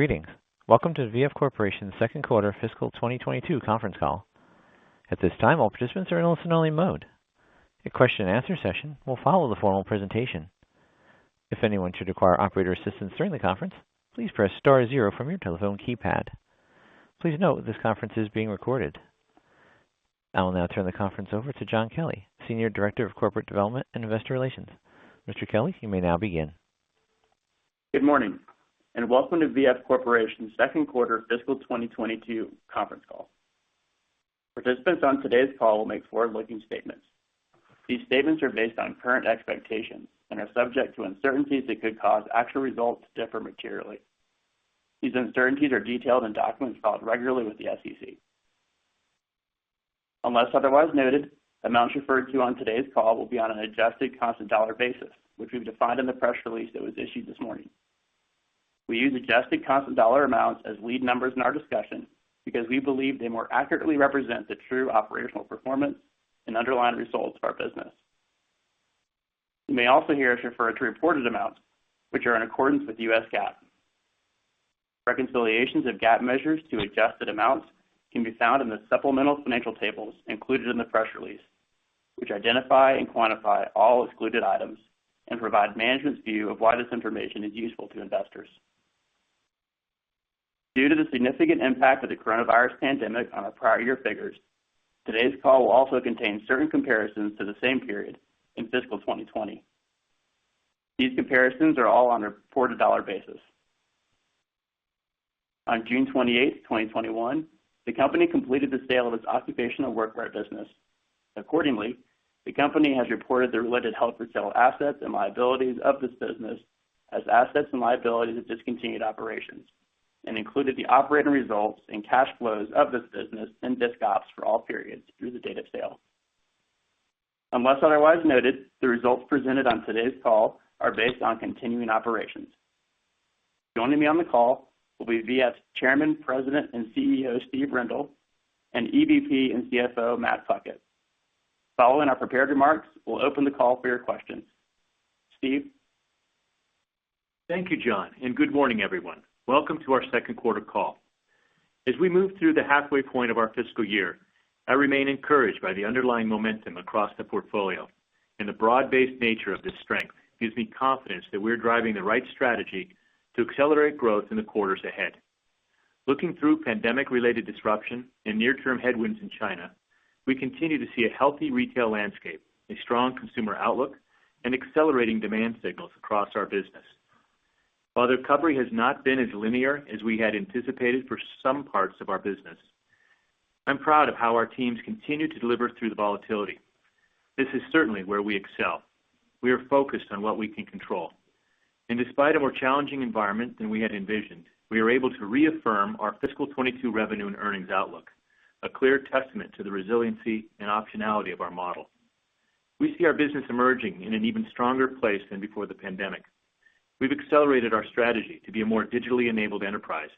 Greetings. Welcome to VF Corporation's second quarter fiscal 2022 conference call. At this time, all participants are in listen-only mode. A question and answer session will follow the formal presentation. If anyone should require operator assistance during the conference, please press star zero from your telephone keypad. Please note this conference is being recorded. I will now turn the conference over to John Kelley, Senior Director of Corporate Development and Investor Relations. Mr. Kelley, you may now begin. Good morning, welcome to VF Corporation's second quarter fiscal 2022 conference call. Participants on today's call will make forward-looking statements. These statements are based on current expectations and are subject to uncertainties that could cause actual results to differ materially. These uncertainties are detailed in documents filed regularly with the SEC. Unless otherwise noted, amounts referred to on today's call will be on an adjusted constant dollar basis, which we've defined in the press release that was issued this morning. We use adjusted constant dollar amounts as lead numbers in our discussion because we believe they more accurately represent the true operational performance and underlying results of our business. You may also hear us refer to reported amounts, which are in accordance with U.S. GAAP. Reconciliations of GAAP measures to adjusted amounts can be found in the supplemental financial tables included in the press release, which identify and quantify all excluded items and provide management's view of why this information is useful to investors. Due to the significant impact of the COVID-19 pandemic on our prior year figures, today's call will also contain certain comparisons to the same period in fiscal 2020. These comparisons are all on a reported dollar basis. On June 28th, 2021, the company completed the sale of its occupational workwear business. Accordingly, the company has reported the related held-for-sale assets and liabilities of this business as assets and liabilities of discontinued operations and included the operating results and cash flows of this business in discontinued operations for all periods through the date of sale. Unless otherwise noted, the results presented on today's call are based on continuing operations. Joining me on the call will be V.F.'s Chairman, President, and CEO, Steve Rendle, and EVP and CFO, Matt Puckett. Following our prepared remarks, we'll open the call for your questions. Steve? Thank you, John, and good morning, everyone. Welcome to our second quarter call. As we move through the halfway point of our fiscal year, I remain encouraged by the underlying momentum across the portfolio, and the broad-based nature of this strength gives me confidence that we're driving the right strategy to accelerate growth in the quarters ahead. Looking through pandemic-related disruption and near-term headwinds in China, we continue to see a healthy retail landscape, a strong consumer outlook, and accelerating demand signals across our business. While the recovery has not been as linear as we had anticipated for some parts of our business, I'm proud of how our teams continue to deliver through the volatility. This is certainly where we excel. We are focused on what we can control. Despite a more challenging environment than we had envisioned, we are able to reaffirm our fiscal 2022 revenue and earnings outlook, a clear testament to the resiliency and optionality of our model. We see our business emerging in an even stronger place than before the pandemic. We've accelerated our strategy to be a more digitally enabled enterprise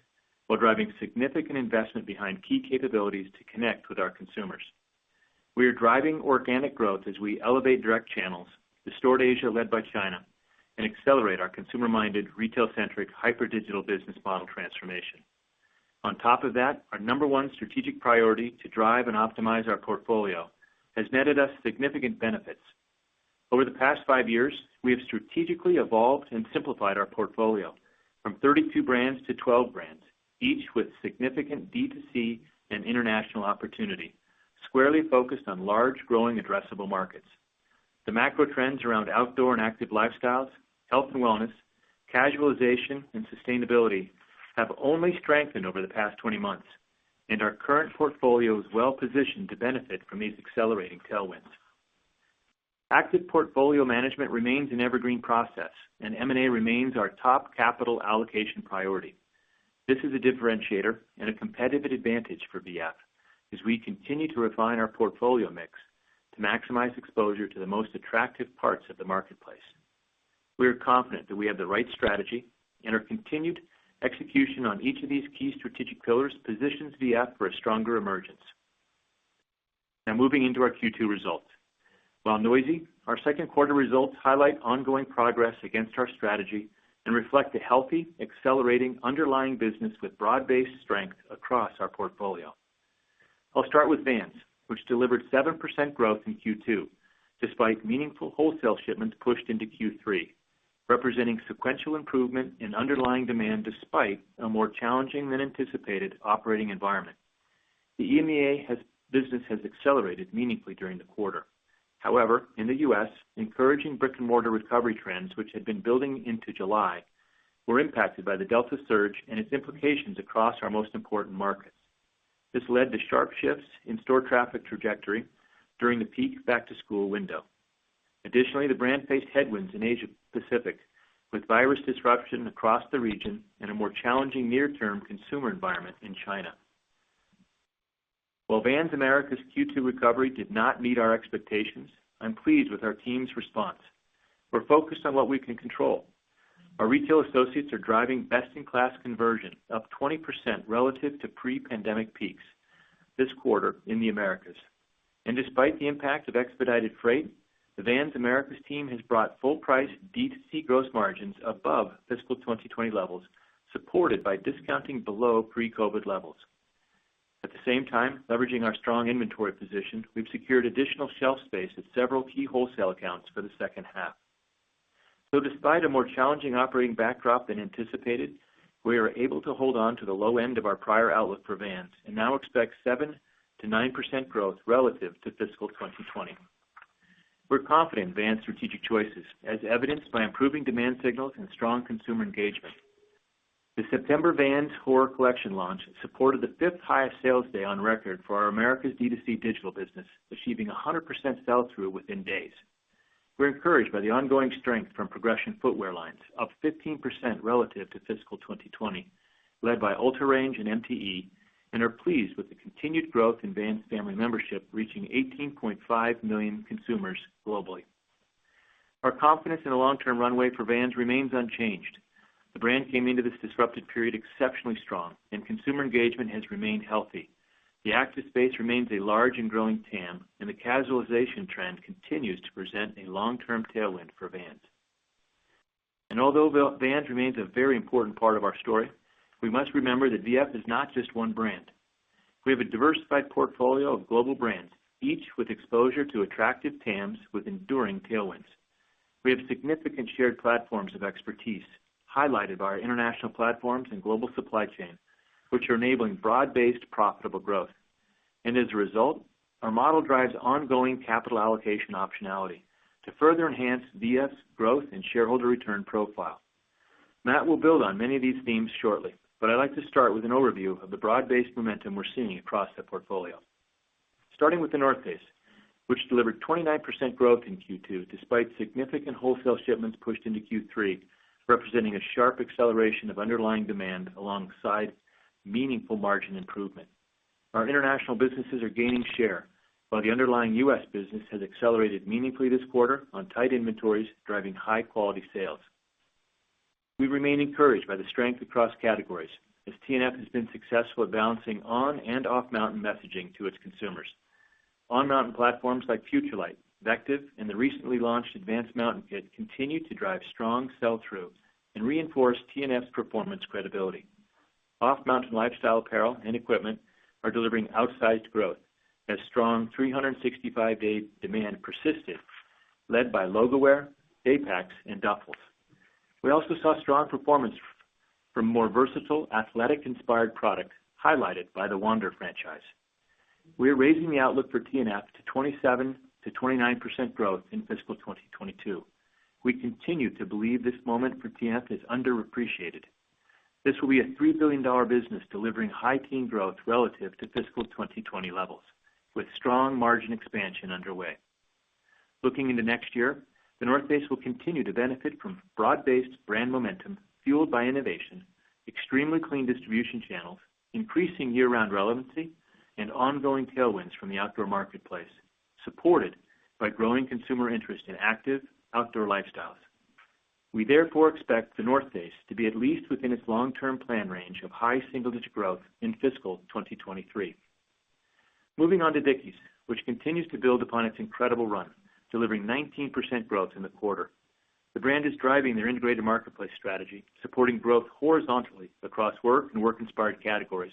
while driving significant investment behind key capabilities to connect with our consumers. We are driving organic growth as we elevate direct channels, restored Asia led by China, and accelerate our consumer-minded, retail-centric, hyper digital business model transformation. On top of that, our number one strategic priority to drive and optimize our portfolio has netted us significant benefits. Over the past five years, we have strategically evolved and simplified our portfolio from 32 brands to 12 brands, each with significant D2C and international opportunity, squarely focused on large, growing addressable markets. The macro trends around outdoor and active lifestyles, health and wellness, casualization, and sustainability have only strengthened over the past 20 months. Our current portfolio is well positioned to benefit from these accelerating tailwinds. Active portfolio management remains an evergreen process. M&A remains our top capital allocation priority. This is a differentiator and a competitive advantage for VF as we continue to refine our portfolio mix to maximize exposure to the most attractive parts of the marketplace. We are confident that we have the right strategy. Our continued execution on each of these key strategic pillars positions VF for a stronger emergence. Now moving into our Q2 results. While noisy, our second quarter results highlight ongoing progress against our strategy and reflect a healthy, accelerating underlying business with broad-based strength across our portfolio. I'll start with Vans, which delivered 7% growth in Q2, despite meaningful wholesale shipments pushed into Q3, representing sequential improvement in underlying demand despite a more challenging than anticipated operating environment. The EMEA business has accelerated meaningfully during the quarter. In the U.S., encouraging brick and mortar recovery trends which had been building into July were impacted by the Delta surge and its implications across our most important markets. This led to sharp shifts in store traffic trajectory during the peak back-to-school window. Additionally, the brand faced headwinds in Asia Pacific with virus disruption across the region and a more challenging near-term consumer environment in China. While Vans America's Q2 recovery did not meet our expectations, I'm pleased with our team's response. We're focused on what we can control. Our retail associates are driving best-in-class conversion up 20% relative to pre-pandemic peaks this quarter in the Americas. Despite the impact of expedited freight, the Vans Americas team has brought full price D2C gross margins above fiscal 2020 levels, supported by discounting below pre-COVID-19 levels. At the same time, leveraging our strong inventory position, we've secured additional shelf space at several key wholesale accounts for the second half. Despite a more challenging operating backdrop than anticipated, we are able to hold on to the low end of our prior outlook for Vans and now expect 7%-9% growth relative to fiscal 2020. We're confident in Vans' strategic choices, as evidenced by improving demand signals and strong consumer engagement. The September Vans x Horror collection launch supported the fifth highest sales day on record for our Americas D2C digital business, achieving 100% sell-through within days. We're encouraged by the ongoing strength from progression footwear lines, up 15% relative to fiscal 2020, led by UltraRange and MTE, and are pleased with the continued growth in Vans family membership, reaching 18.5 million consumers globally. Our confidence in the long-term runway for Vans remains unchanged. The brand came into this disrupted period exceptionally strong, and consumer engagement has remained healthy. The active space remains a large and growing TAM, and the casualization trend continues to present a long-term tailwind for Vans. Although Vans remains a very important part of our story, we must remember that VF is not just one brand. We have a diversified portfolio of global brands, each with exposure to attractive TAMs with enduring tailwinds. We have significant shared platforms of expertise, highlighted by our international platforms and global supply chain, which are enabling broad-based profitable growth. As a result, our model drives ongoing capital allocation optionality to further enhance V.F.'s growth and shareholder return profile. Matt will build on many of these themes shortly, but I'd like to start with an overview of the broad-based momentum we're seeing across the portfolio. Starting with The North Face, which delivered 29% growth in Q2 despite significant wholesale shipments pushed into Q3, representing a sharp acceleration of underlying demand alongside meaningful margin improvement. Our international businesses are gaining share, while the underlying U.S. business has accelerated meaningfully this quarter on tight inventories, driving high-quality sales. We remain encouraged by the strength across categories, as TNF has been successful at balancing on and off-mountain messaging to its consumers. On-mountain platforms like FUTURELIGHT, VECTIV, and the recently launched Advanced Mountain Kit continue to drive strong sell-through and reinforce TNF's performance credibility. Off-mountain lifestyle apparel and equipment are delivering outsized growth as strong 365-day demand persisted, led by logo wear, daypacks, and duffels. We also saw strong performance from more versatile athletic-inspired products, highlighted by the Wander franchise. We are raising the outlook for TNF to 27%-29% growth in fiscal 2022. We continue to believe this moment for TNF is underappreciated. This will be a $3 billion business delivering high teen growth relative to fiscal 2020 levels, with strong margin expansion underway. Looking into next year, The North Face will continue to benefit from broad-based brand momentum fueled by innovation, extremely clean distribution channels, increasing year-round relevancy, and ongoing tailwinds from the outdoor marketplace, supported by growing consumer interest in active outdoor lifestyles. We therefore expect The North Face to be at least within its long-term plan range of high single-digit growth in fiscal 2023. Moving on to Dickies, which continues to build upon its incredible run, delivering 19% growth in the quarter. The brand is driving their integrated marketplace strategy, supporting growth horizontally across work and work-inspired categories,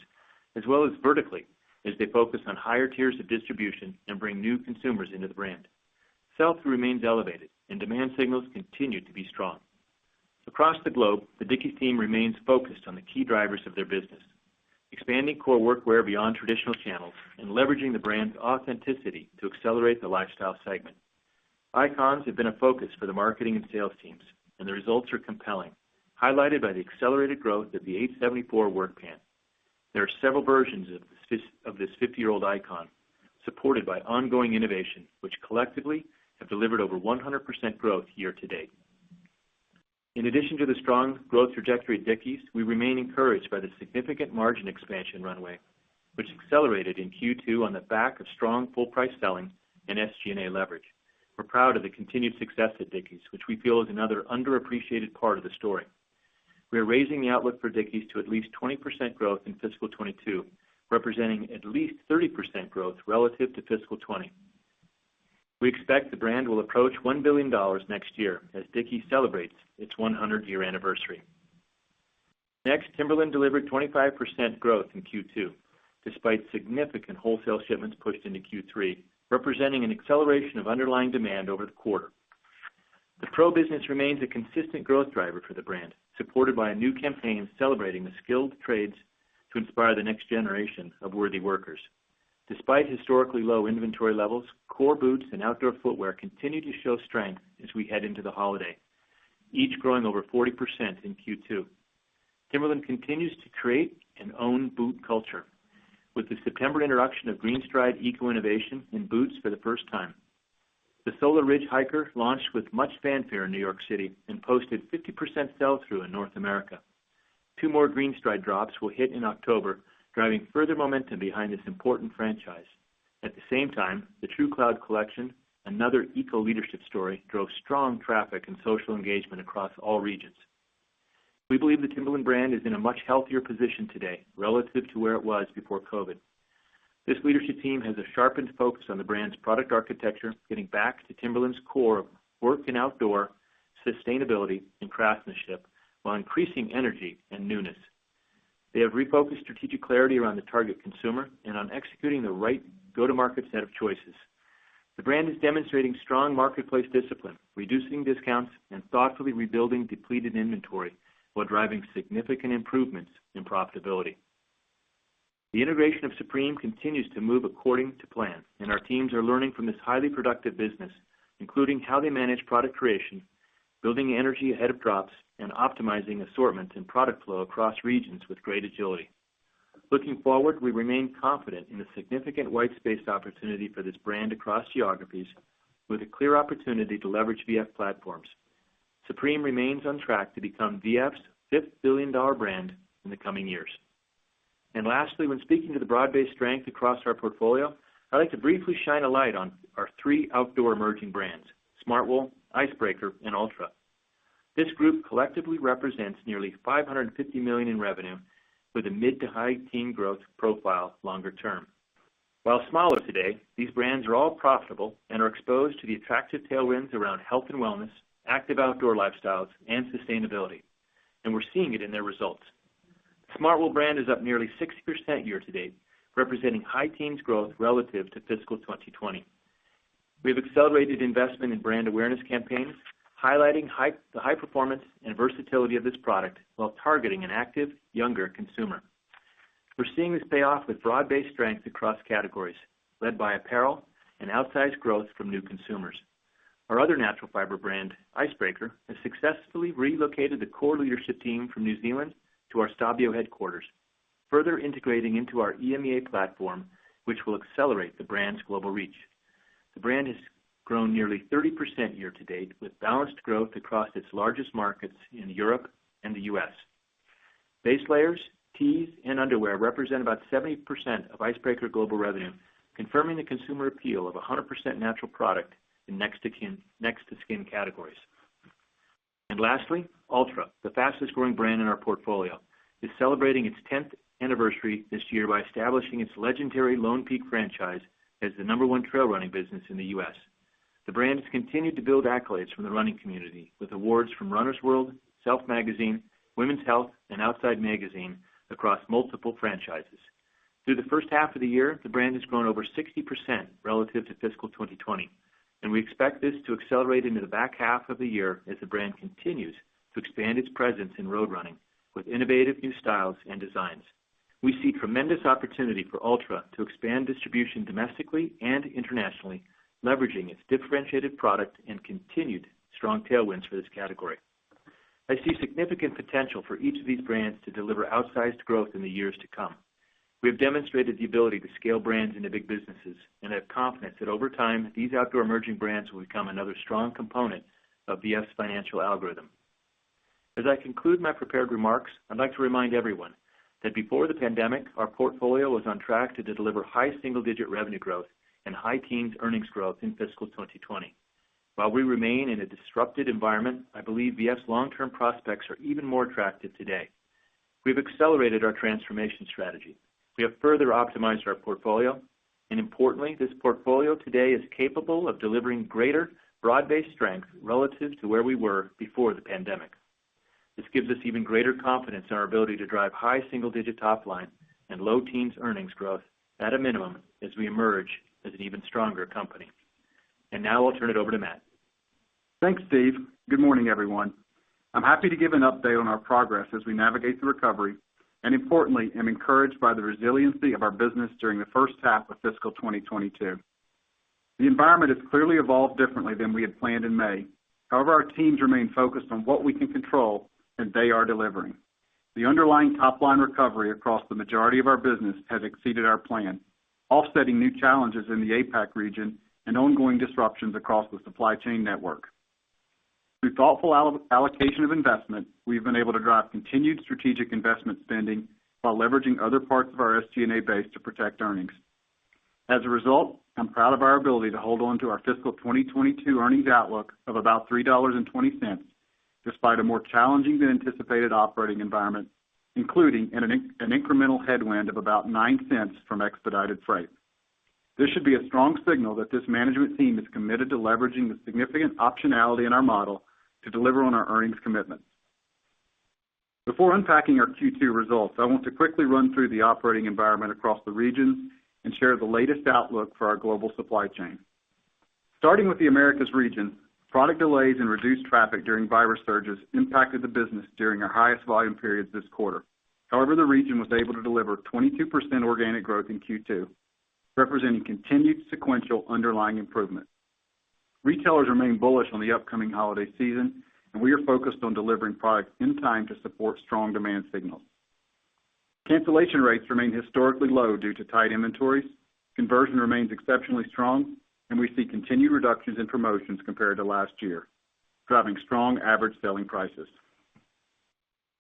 as well as vertically as they focus on higher tiers of distribution and bring new consumers into the brand. Sell-through remains elevated and demand signals continue to be strong. Across the globe, the Dickies team remains focused on the key drivers of their business, expanding core workwear beyond traditional channels and leveraging the brand's authenticity to accelerate the lifestyle segment. Icons have been a focus for the marketing and sales teams, and the results are compelling, highlighted by the accelerated growth of the 874 work pant. There are several versions of this 50-year-old icon, supported by ongoing innovation, which collectively have delivered over 100% growth year-to-date. In addition to the strong growth trajectory at Dickies, we remain encouraged by the significant margin expansion runway, which accelerated in Q2 on the back of strong full price selling and SG&A leverage. We're proud of the continued success at Dickies, which we feel is another underappreciated part of the story. We are raising the outlook for Dickies to at least 20% growth in fiscal 2022, representing at least 30% growth relative to fiscal 2020. We expect the brand will approach $1 billion next year as Dickies celebrates its 100-year anniversary. Timberland delivered 25% growth in Q2, despite significant wholesale shipments pushed into Q3, representing an acceleration of underlying demand over the quarter. The PRO business remains a consistent growth driver for the brand, supported by a new campaign celebrating the skilled trades to inspire the next generation of worthy workers. Despite historically low inventory levels, core boots and outdoor footwear continue to show strength as we head into the holiday, each growing over 40% in Q2. Timberland continues to create and own boot culture with the September introduction of GreenStride eco-innovation in boots for the first time. The Solar Ridge Hiker launched with much fanfare in New York City and posted 50% sell-through in North America. Two more GreenStride drops will hit in October, driving further momentum behind this important franchise. At the same time, the TrueCloud collection, another eco leadership story, drove strong traffic and social engagement across all regions. We believe the Timberland brand is in a much healthier position today relative to where it was before COVID. This leadership team has a sharpened focus on the brand's product architecture, getting back to Timberland's core of work and outdoor sustainability and craftsmanship, while increasing energy and newness. They have refocused strategic clarity around the target consumer and on executing the right go-to-market set of choices. The brand is demonstrating strong marketplace discipline, reducing discounts, and thoughtfully rebuilding depleted inventory while driving significant improvements in profitability. The integration of Supreme continues to move according to plan, and our teams are learning from this highly productive business, including how they manage product creation, building energy ahead of drops, and optimizing assortments and product flow across regions with great agility. Looking forward, we remain confident in the significant white space opportunity for this brand across geographies with a clear opportunity to leverage VF platforms. Supreme remains on track to become VF's fifth billion-dollar brand in the coming years. Lastly, when speaking to the broad-based strength across our portfolio, I'd like to briefly shine a light on our three outdoor emerging brands, Smartwool, Icebreaker, and Altra. This group collectively represents nearly $550 million in revenue with a mid to high teen growth profile longer term. While smaller today, these brands are all profitable and are exposed to the attractive tailwinds around health and wellness, active outdoor lifestyles, and sustainability, we're seeing it in their results. Smartwool brand is up nearly 60% year-to-date, representing high teens growth relative to fiscal 2020. We have accelerated investment in brand awareness campaigns, highlighting the high performance and versatility of this product while targeting an active, younger consumer. We're seeing this pay off with broad-based strength across categories, led by apparel and outsized growth from new consumers. Our other natural fiber brand, Icebreaker, has successfully relocated the core leadership team from New Zealand to our Stabio headquarters, further integrating into our EMEA platform, which will accelerate the brand's global reach. The brand has grown nearly 30% year-to-date, with balanced growth across its largest markets in Europe and the U.S. Base layers, tees, and underwear represent about 70% of Icebreaker global revenue, confirming the consumer appeal of 100% natural product in next to skin categories. Lastly, Altra, the fastest growing brand in our portfolio, is celebrating its 10th anniversary this year by establishing its legendary Lone Peak franchise as the number one trail running business in the U.S. The brand has continued to build accolades from the running community, with awards from Runner's World, SELF Magazine, Women's Health, and Outside Magazine across multiple franchises. Through the first half of the year, the brand has grown over 60% relative to fiscal 2020, we expect this to accelerate into the back half of the year as the brand continues to expand its presence in road running with innovative new styles and designs. We see tremendous opportunity for Altra to expand distribution domestically and internationally, leveraging its differentiated product and continued strong tailwinds for this category. I see significant potential for each of these brands to deliver outsized growth in the years to come. We have demonstrated the ability to scale brands into big businesses and have confidence that over time, these outdoor emerging brands will become another strong component of V.F.'s financial algorithm. As I conclude my prepared remarks, I'd like to remind everyone that before the pandemic, our portfolio was on track to deliver high single-digit revenue growth and high teens earnings growth in fiscal 2020. While we remain in a disrupted environment, I believe V.F.'s long-term prospects are even more attractive today. We've accelerated our transformation strategy. We have further optimized our portfolio, and importantly, this portfolio today is capable of delivering greater broad-based strength relative to where we were before the pandemic. This gives us even greater confidence in our ability to drive high single-digit top line and low teens earnings growth at a minimum as we emerge as an even stronger company. Now I'll turn it over to Matt. Thanks, Steve. Good morning, everyone. I'm happy to give an update on our progress as we navigate the recovery, and importantly, I'm encouraged by the resiliency of our business during the first half of fiscal 2022. The environment has clearly evolved differently than we had planned in May. However, our teams remain focused on what we can control, and they are delivering. The underlying top-line recovery across the majority of our business has exceeded our plan, offsetting new challenges in the APAC region and ongoing disruptions across the supply chain network. Through thoughtful allocation of investment, we've been able to drive continued strategic investment spending while leveraging other parts of our SG&A base to protect earnings. As a result, I'm proud of our ability to hold on to our fiscal 2022 earnings outlook of about $3.20, despite a more challenging than anticipated operating environment, including an incremental headwind of about $0.09 from expedited freight. This should be a strong signal that this management team is committed to leveraging the significant optionality in our model to deliver on our earnings commitments. Before unpacking our Q2 results, I want to quickly run through the operating environment across the regions and share the latest outlook for our global supply chain. Starting with the Americas region, product delays and reduced traffic during virus surges impacted the business during our highest volume periods this quarter. However, the region was able to deliver 22% organic growth in Q2, representing continued sequential underlying improvement. Retailers remain bullish on the upcoming holiday season, and we are focused on delivering products in time to support strong demand signals. Cancellation rates remain historically low due to tight inventories. Conversion remains exceptionally strong, and we see continued reductions in promotions compared to last year, driving strong average selling prices.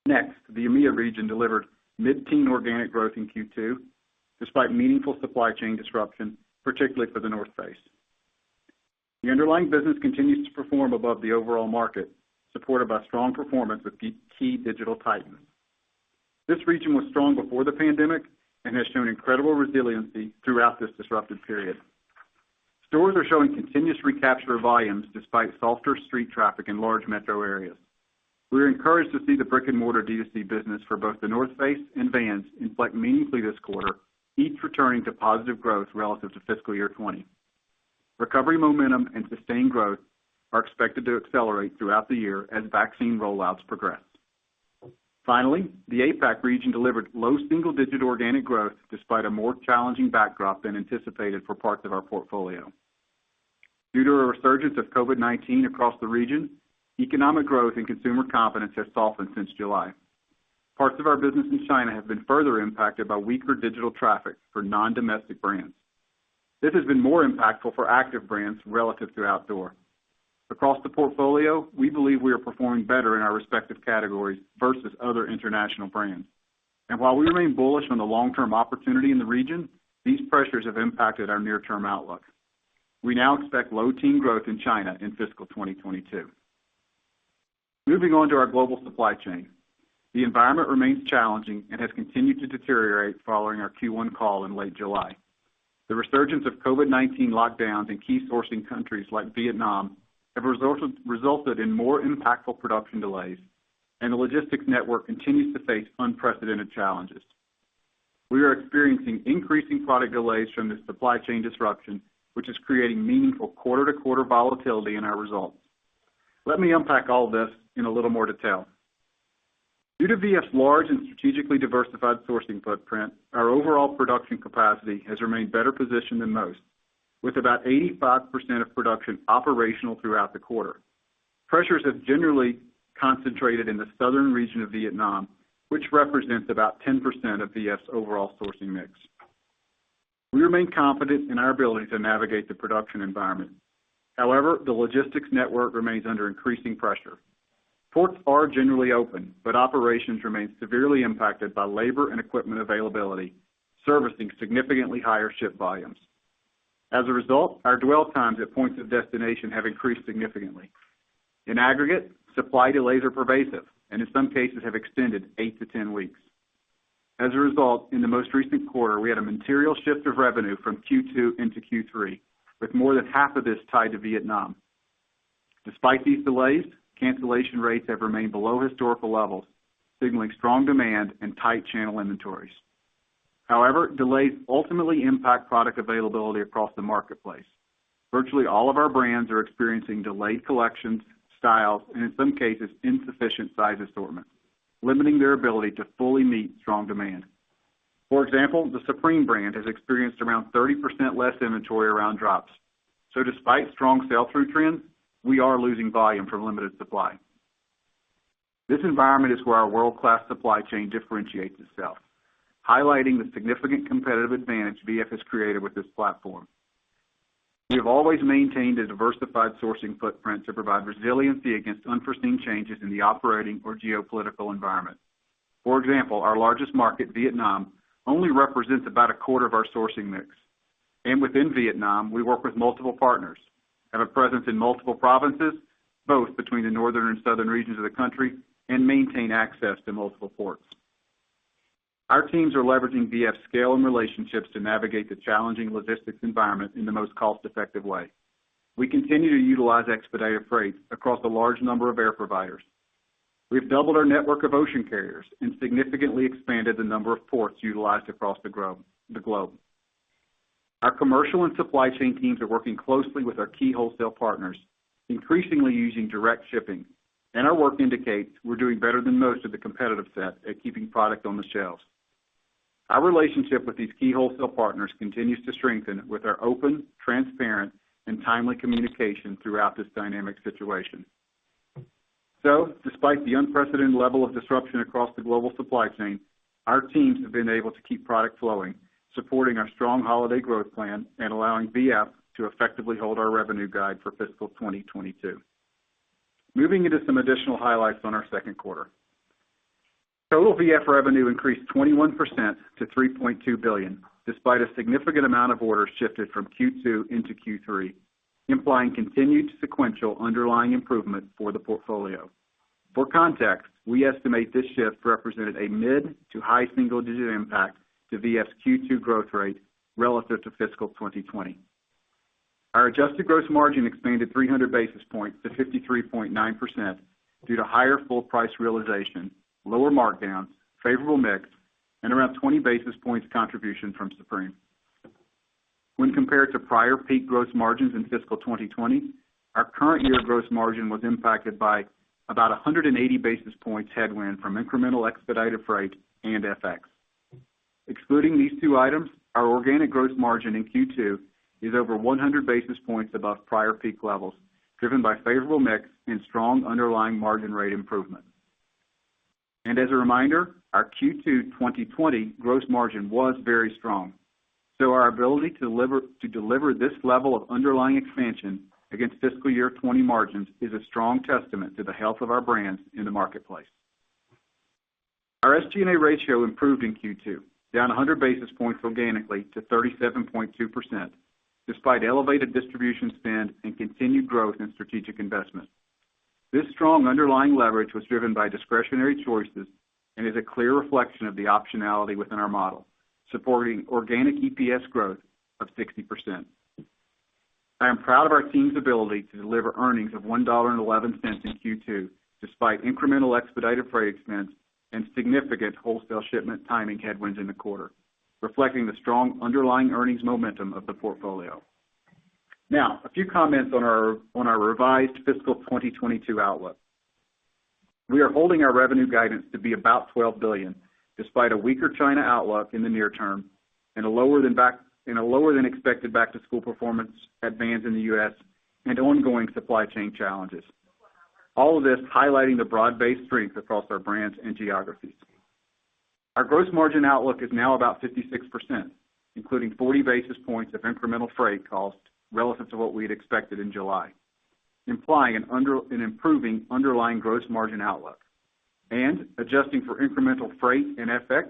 Next, the EMEA region delivered mid-teen organic growth in Q2, despite meaningful supply chain disruption, particularly for The North Face. The underlying business continues to perform above the overall market, supported by strong performance with key digital titans. This region was strong before the pandemic and has shown incredible resiliency throughout this disruptive period. Stores are showing continuous recapture of volumes despite softer street traffic in large metro areas. We are encouraged to see the brick-and-mortar D2C business for both The North Face and Vans inflect meaningfully this quarter, each returning to positive growth relative to fiscal year 2020. Recovery momentum and sustained growth are expected to accelerate throughout the year as vaccine rollouts progress. The APAC region delivered low single-digit organic growth despite a more challenging backdrop than anticipated for parts of our portfolio. Due to a resurgence of COVID-19 across the region, economic growth and consumer confidence have softened since July. Parts of our business in China have been further impacted by weaker digital traffic for non-domestic brands. This has been more impactful for active brands relative to outdoor. Across the portfolio, we believe we are performing better in our respective categories versus other international brands. While we remain bullish on the long-term opportunity in the region, these pressures have impacted our near-term outlook. We now expect low-teen growth in China in fiscal 2022. Moving on to our global supply chain. The environment remains challenging and has continued to deteriorate following our Q1 call in late July. The resurgence of COVID-19 lockdowns in key sourcing countries like Vietnam have resulted in more impactful production delays, and the logistics network continues to face unprecedented challenges. We are experiencing increasing product delays from this supply chain disruption, which is creating meaningful quarter-to-quarter volatility in our results. Let me unpack all of this in a little more detail. Due to VF's large and strategically diversified sourcing footprint, our overall production capacity has remained better positioned than most, with about 85% of production operational throughout the quarter. Pressures have generally concentrated in the southern region of Vietnam, which represents about 10% of VF's overall sourcing mix. We remain confident in our ability to navigate the production environment. However, the logistics network remains under increasing pressure. Ports are generally open, but operations remain severely impacted by labor and equipment availability, servicing significantly higher ship volumes. As a result, our dwell times at points of destination have increased significantly. In aggregate, supply delays are pervasive, and in some cases have extended 8 to 10 weeks. As a result, in the most recent quarter, we had a material shift of revenue from Q2 into Q3, with more than half of this tied to Vietnam. Despite these delays, cancellation rates have remained below historical levels, signaling strong demand and tight channel inventories. However, delays ultimately impact product availability across the marketplace. Virtually all of our brands are experiencing delayed collections, styles, and in some cases, insufficient size assortments, limiting their ability to fully meet strong demand. For example, the Supreme brand has experienced around 30% less inventory around drops. Despite strong sell-through trends, we are losing volume from limited supply. This environment is where our world-class supply chain differentiates itself, highlighting the significant competitive advantage VF has created with this platform. We have always maintained a diversified sourcing footprint to provide resiliency against unforeseen changes in the operating or geopolitical environment. For example, our largest market, Vietnam, only represents about a quarter of our sourcing mix. Within Vietnam, we work with multiple partners, have a presence in multiple provinces, both between the northern and southern regions of the country, and maintain access to multiple ports. Our teams are leveraging VF scale and relationships to navigate the challenging logistics environment in the most cost-effective way. We continue to utilize expedited freight across a large number of air providers. We've doubled our network of ocean carriers and significantly expanded the number of ports utilized across the globe. Our commercial and supply chain teams are working closely with our key wholesale partners, increasingly using direct shipping. Our work indicates we're doing better than most of the competitive set at keeping product on the shelves. Our relationship with these key wholesale partners continues to strengthen with our open, transparent and timely communication throughout this dynamic situation. Despite the unprecedented level of disruption across the global supply chain, our teams have been able to keep product flowing, supporting our strong holiday growth plan and allowing VF to effectively hold our revenue guide for fiscal 2022. Moving into some additional highlights on our second quarter. Total VF revenue increased 21% to $3.2 billion, despite a significant amount of orders shifted from Q2 into Q3, implying continued sequential underlying improvement for the portfolio. For context, we estimate this shift represented a mid to high single-digit impact to V.F.'s Q2 growth rate relative to fiscal 2020. Our adjusted gross margin expanded 300 basis points to 53.9% due to higher full price realization, lower markdowns, favorable mix, and around 20 basis points contribution from Supreme. When compared to prior peak gross margins in fiscal 2020, our current year gross margin was impacted by about 180 basis points headwind from incremental expedited freight and FX. Excluding these two items, our organic gross margin in Q2 is over 100 basis points above prior peak levels, driven by favorable mix and strong underlying margin rate improvement. As a reminder, our Q2 2020 gross margin was very strong. Our ability to deliver this level of underlying expansion against fiscal year 2020 margins is a strong testament to the health of our brands in the marketplace. Our SG&A ratio improved in Q2, down 100 basis points organically to 37.2%, despite elevated distribution spend and continued growth in strategic investment. This strong underlying leverage was driven by discretionary choices and is a clear reflection of the optionality within our model, supporting organic EPS growth of 60%. I am proud of our team's ability to deliver earnings of $1.11 in Q2, despite incremental expedited freight expense and significant wholesale shipment timing headwinds in the quarter, reflecting the strong underlying earnings momentum of the portfolio. Now, a few comments on our revised fiscal 2022 outlook. We are holding our revenue guidance to be about $12 billion, despite a weaker China outlook in the near term and a lower than expected back-to-school performance at Vans in the U.S., and ongoing supply chain challenges. All of this highlighting the broad-based strength across our brands and geographies. Our gross margin outlook is now about 56%, including 40 basis points of incremental freight cost relative to what we had expected in July, implying an improving underlying gross margin outlook. Adjusting for incremental freight and FX,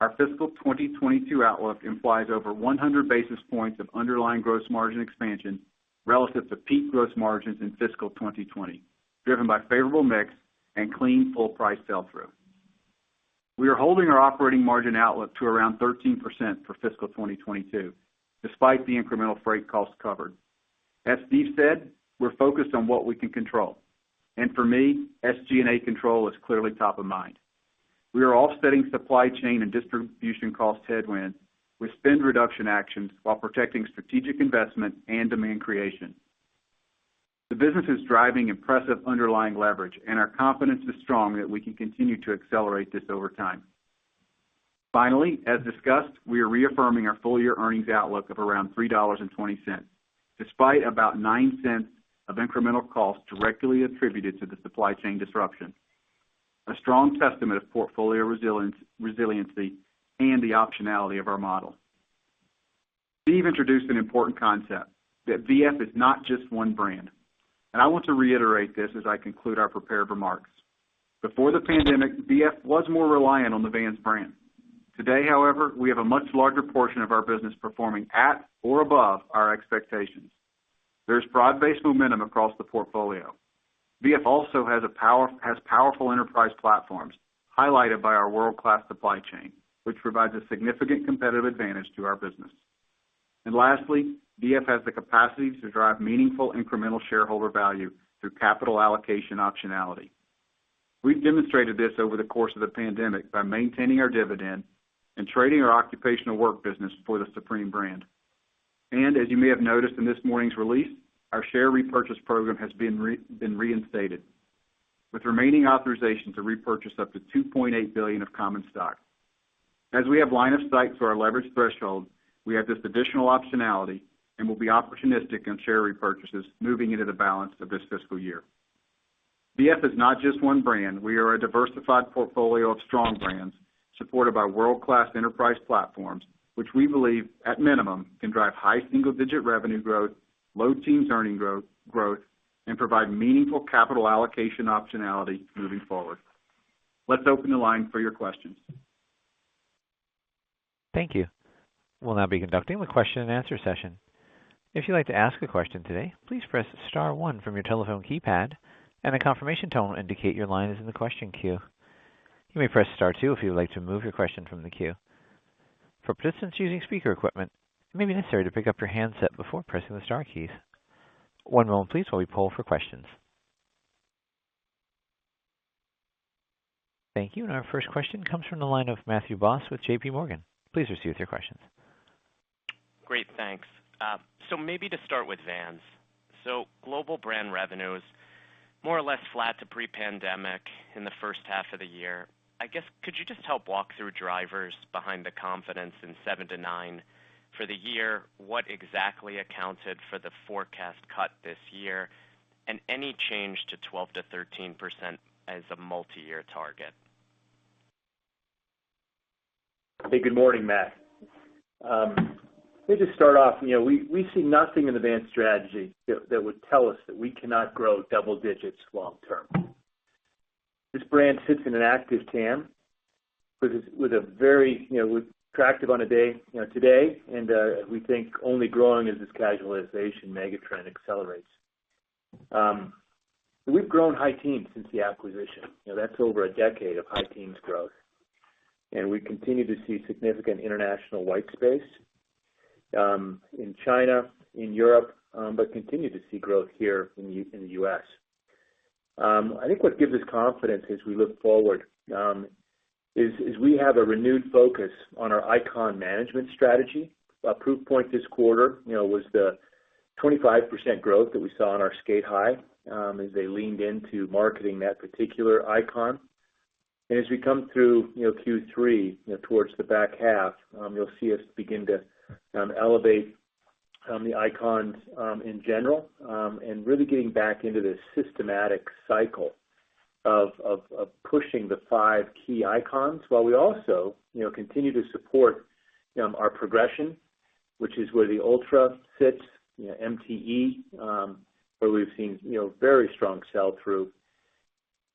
our fiscal 2022 outlook implies over 100 basis points of underlying gross margin expansion relative to peak gross margins in fiscal 2020, driven by favorable mix and clean, full price sell-through. We are holding our operating margin outlook to around 13% for fiscal 2022, despite the incremental freight costs covered. As Steve said, we're focused on what we can control. For me, SG&A control is clearly top of mind. We are offsetting supply chain and distribution cost headwind with spend reduction actions while protecting strategic investment and demand creation. The business is driving impressive underlying leverage, and our confidence is strong that we can continue to accelerate this over time. Finally, as discussed, we are reaffirming our full-year earnings outlook of around $3.20, despite about $0.09 of incremental cost directly attributed to the supply chain disruption. A strong testament of portfolio resiliency, and the optionality of our model. Steve introduced an important concept, that V.F. is not just one brand, and I want to reiterate this as I conclude our prepared remarks. Before the pandemic, V.F. was more reliant on the Vans brand. Today, however, we have a much larger portion of our business performing at or above our expectations. There is broad-based momentum across the portfolio. V.F. also has powerful enterprise platforms highlighted by our world-class supply chain, which provides a significant competitive advantage to our business. Lastly, V.F. has the capacity to drive meaningful incremental shareholder value through capital allocation optionality. We've demonstrated this over the course of the pandemic by maintaining our dividend and trading our occupational work business for the Supreme brand. As you may have noticed in this morning's release, our share repurchase program has been reinstated with remaining authorization to repurchase up to $2.8 billion of common stock. As we have line of sight for our leverage threshold, we have this additional optionality and will be opportunistic in share repurchases moving into the balance of this fiscal year. V.F. is not just one brand. We are a diversified portfolio of strong brands supported by world-class enterprise platforms, which we believe, at minimum, can drive high single-digit revenue growth, low teens earnings growth, and provide meaningful capital allocation optionality moving forward. Let's open the line for your questions. Thank you. We'll now be conducting the question and answer session. If you'd like to ask a question today, please press star one from your telephone keypad, and a confirmation tone will indicate your line is in the question queue. You may press star two if you would like to remove your question from the queue. For participants using speaker equipment, it may be necessary to pick up your handset before pressing the star keys. One moment, please, while we poll for questions. Thank you. Our first question comes from the line of Matthew Boss with JPMorgan. Please proceed with your questions. Great, thanks. Maybe to start with Vans. Global brand revenues more or less flat to pre-pandemic in the first half of the year. I guess, could you just help walk through drivers behind the confidence in 7%-9% for the year? What exactly accounted for the forecast cut this year? Any change to 12%-13% as a multi-year target? Hey, good morning, Matt. Let me just start off, we see nothing in the Vans strategy that would tell us that we cannot grow double digits long term. This brand sits in an active TAM with a very attractive on a day today, and we think only growing as this casualization megatrend accelerates. We've grown high teens since the acquisition. That's over a decade of high teens growth. We continue to see significant international white space in China, in Europe, but continue to see growth here in the U.S. I think what gives us confidence as we look forward is we have a renewed focus on our icon management strategy. A proof point this quarter was the 25% growth that we saw in our Sk8-Hi, as they leaned into marketing that particular icon. As we come through Q3 towards the back half, you'll see us begin to elevate the icons in general, and really getting back into this systematic cycle of pushing the 5 key icons while we also continue to support our progression. Which is where the UltraRange fits, MTE, where we've seen very strong sell-through.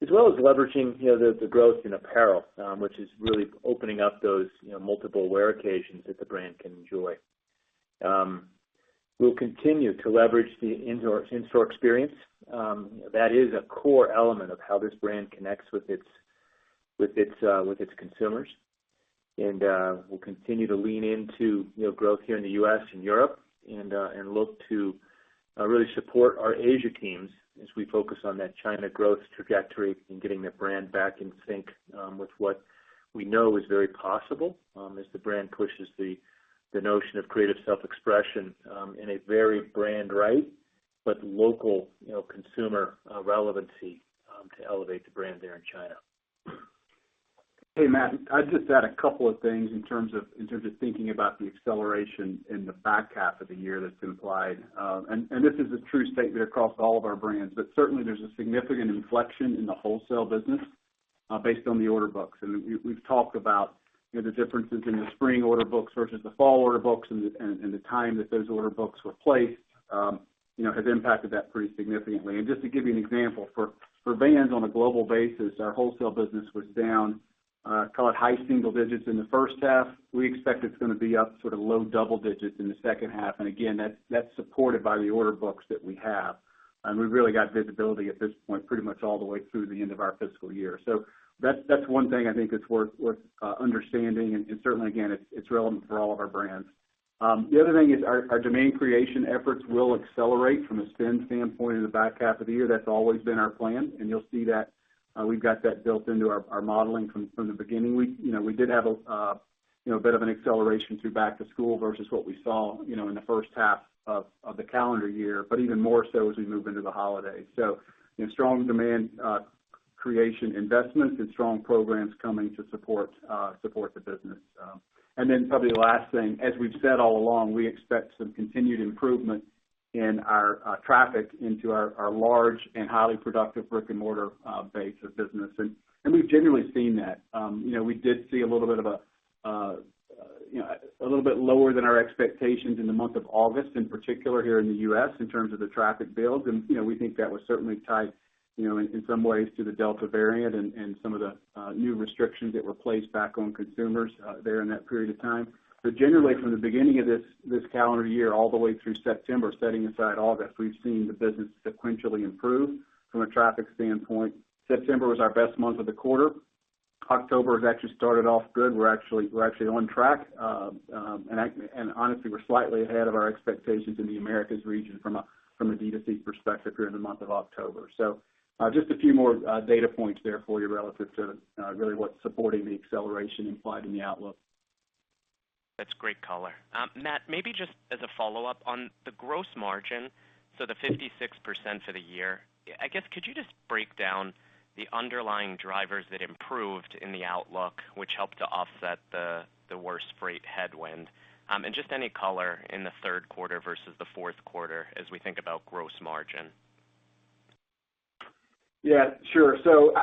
Leveraging the growth in apparel, which is really opening up those multiple wear occasions that the brand can enjoy. We'll continue to leverage the in-store experience. That is a core element of how this brand connects with its consumers. We'll continue to lean into growth here in the U.S. and Europe and look to really support our Asia teams as we focus on that China growth trajectory and getting that brand back in sync with what we know is very possible as the brand pushes the notion of creative self-expression in a very brand right, but local consumer relevancy to elevate the brand there in China. Hey, Matt. I'd just add a couple of things in terms of thinking about the acceleration in the back half of the year that's implied. This is a true statement across all of our brands, but certainly there's a significant inflection in the wholesale business based on the order books. We've talked about the differences in the spring order books versus the fall order books, and the time that those order books were placed has impacted that pretty significantly. Just to give you an example, for Vans on a global basis, our wholesale business was down call it high single digits in the first half. We expect it's going to be up low double digits in the second half. Again, that's supported by the order books that we have, and we've really got visibility at this point pretty much all the way through the end of our fiscal year. That's one thing I think that's worth understanding. Certainly, again, it's relevant for all of our brands. The other thing is our demand creation efforts will accelerate from a spend standpoint in the back half of the year. That's always been our plan, and you'll see that we've got that built into our modeling from the beginning. We did have a bit of an acceleration through back to school versus what we saw in the first half of the calendar year, but even more so as we move into the holidays. Strong demand creation investments and strong programs coming to support the business. Probably the last thing. As we've said all along, we expect some continued improvement in our traffic into our large and highly productive brick and mortar base of business, and we've generally seen that. We did see a little bit lower than our expectations in the month of August, in particular here in the U.S., in terms of the traffic build. We think that was certainly tied, in some ways, to the Delta variant and some of the new restrictions that were placed back on consumers there in that period of time. Generally, from the beginning of this calendar year all the way through September, setting aside August, we've seen the business sequentially improve from a traffic standpoint. September was our best month of the quarter. October has actually started off good. We're actually on track. Honestly, we're slightly ahead of our expectations in the Americas region from a D2C perspective here in the month of October. Just a few more data points there for you relative to really what's supporting the acceleration implied in the outlook. That's great color. Matt, maybe just as a follow-up on the gross margin, the 56% for the year. I guess could you just break down the underlying drivers that improved in the outlook, which helped to offset the worst freight headwind, and just any color in the third quarter versus the fourth quarter as we think about gross margin? Yeah, sure.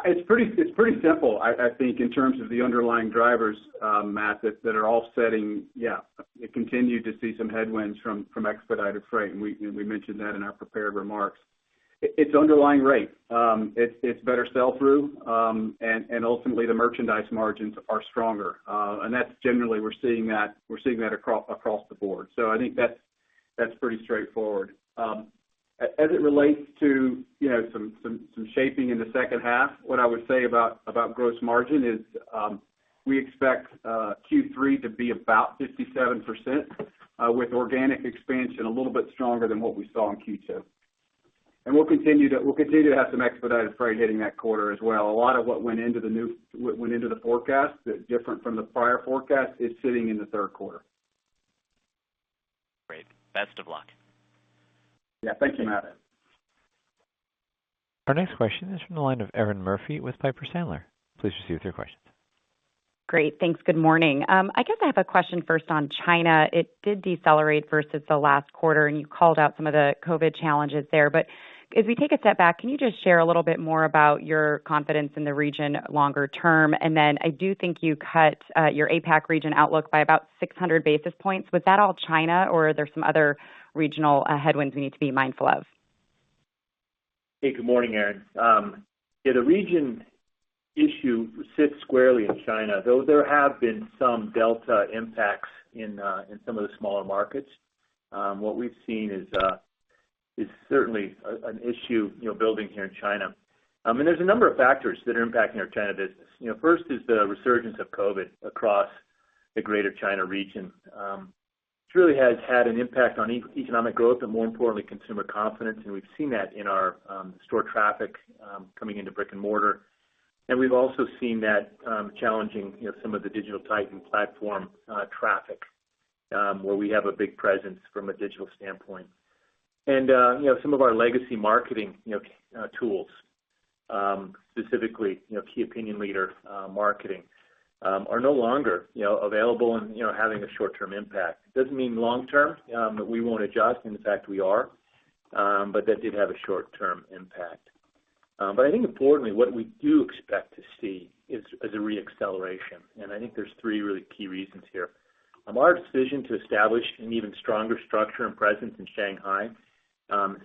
It's pretty simple, I think, in terms of the underlying drivers, Matt. We continue to see some headwinds from expedited freight, and we mentioned that in our prepared remarks. It's underlying rate. It's better sell-through, and ultimately, the merchandise margins are stronger. That's generally, we're seeing that across the board. I think that's pretty straightforward. As it relates to some shaping in the second half, what I would say about gross margin is we expect Q3 to be about 57%, with organic expansion a little bit stronger than what we saw in Q2. We'll continue to have some expedited freight hitting that quarter as well. A lot of what went into the forecast that's different from the prior forecast is sitting in the third quarter. Great. Best of luck. Yeah. Thank you, Matt. Our next question is from the line of Erinn Murphy with Piper Sandler. Please proceed with your questions. Great. Thanks. Good morning. I guess I have a question first on China. It did decelerate versus the last quarter, and you called out some of the COVID challenges there. As we take a step back, can you just share a little bit more about your confidence in the region longer term? I do think you cut your APAC region outlook by about 600 basis points. Was that all China, or are there some other regional headwinds we need to be mindful of? Hey, good morning, Erinn. Yeah, the region issue sits squarely in China, though there have been some Delta impacts in some of the smaller markets. What we've seen is certainly an issue building here in China. There's a number of factors that are impacting our China business. First is the resurgence of COVID across the Greater China region. This really has had an impact on economic growth and, more importantly, consumer confidence, and we've seen that in our store traffic coming into brick and mortar. We've also seen that challenging some of the digital Titan platform traffic where we have a big presence from a digital standpoint. Some of our legacy marketing tools, specifically key opinion leader marketing, are no longer available and having a short-term impact. Doesn't mean long term that we won't adjust, and in fact, we are, but that did have a short-term impact. I think importantly, what we do expect to see is a re-acceleration, and I think there's three really key reasons here. Our decision to establish an even stronger structure and presence in Shanghai,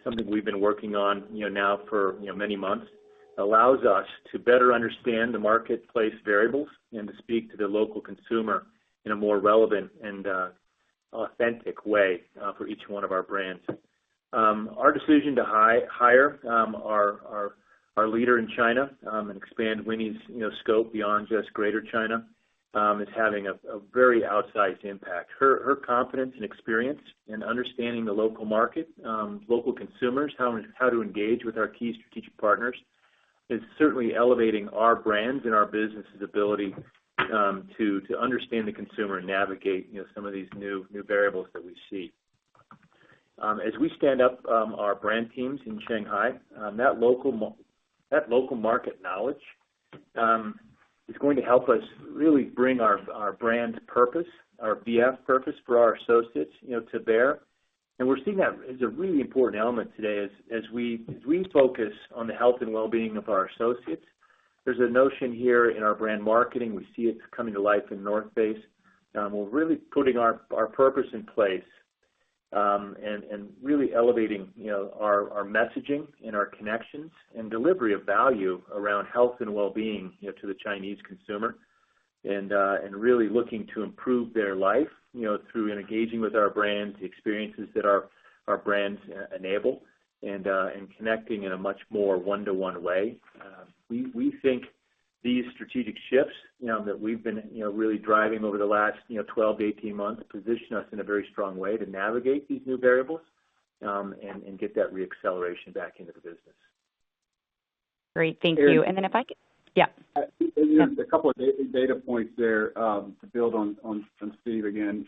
something we've been working on now for many months, allows us to better understand the marketplace variables and to speak to the local consumer in a more relevant and authentic way for each one of our brands. Our decision to hire our leader in China and expand Winnie's scope beyond just Greater China is having a very outsized impact. Her confidence and experience in understanding the local market, local consumers, how to engage with our key strategic partners, is certainly elevating our brands and our business's ability to understand the consumer and navigate some of these new variables that we see. As we stand up our brand teams in Shanghai, that local market knowledge is going to help us really bring our brand purpose, our V.F. purpose for our associates, to bear. We're seeing that as a really important element today as we focus on the health and wellbeing of our associates. There's a notion here in our brand marketing, we see it coming to life in The North Face. We're really putting our purpose in place, and really elevating our messaging and our connections and delivery of value around health and wellbeing to the Chinese consumer and really looking to improve their life through engaging with our brands, the experiences that our brands enable, and connecting in a much more one-to-one way. We think these strategic shifts that we've been really driving over the last 12 to 18 months position us in a very strong way to navigate these new variables and get that re-acceleration back into the business. Great. Thank you. Yeah. A couple of data points there to build on from Steve again.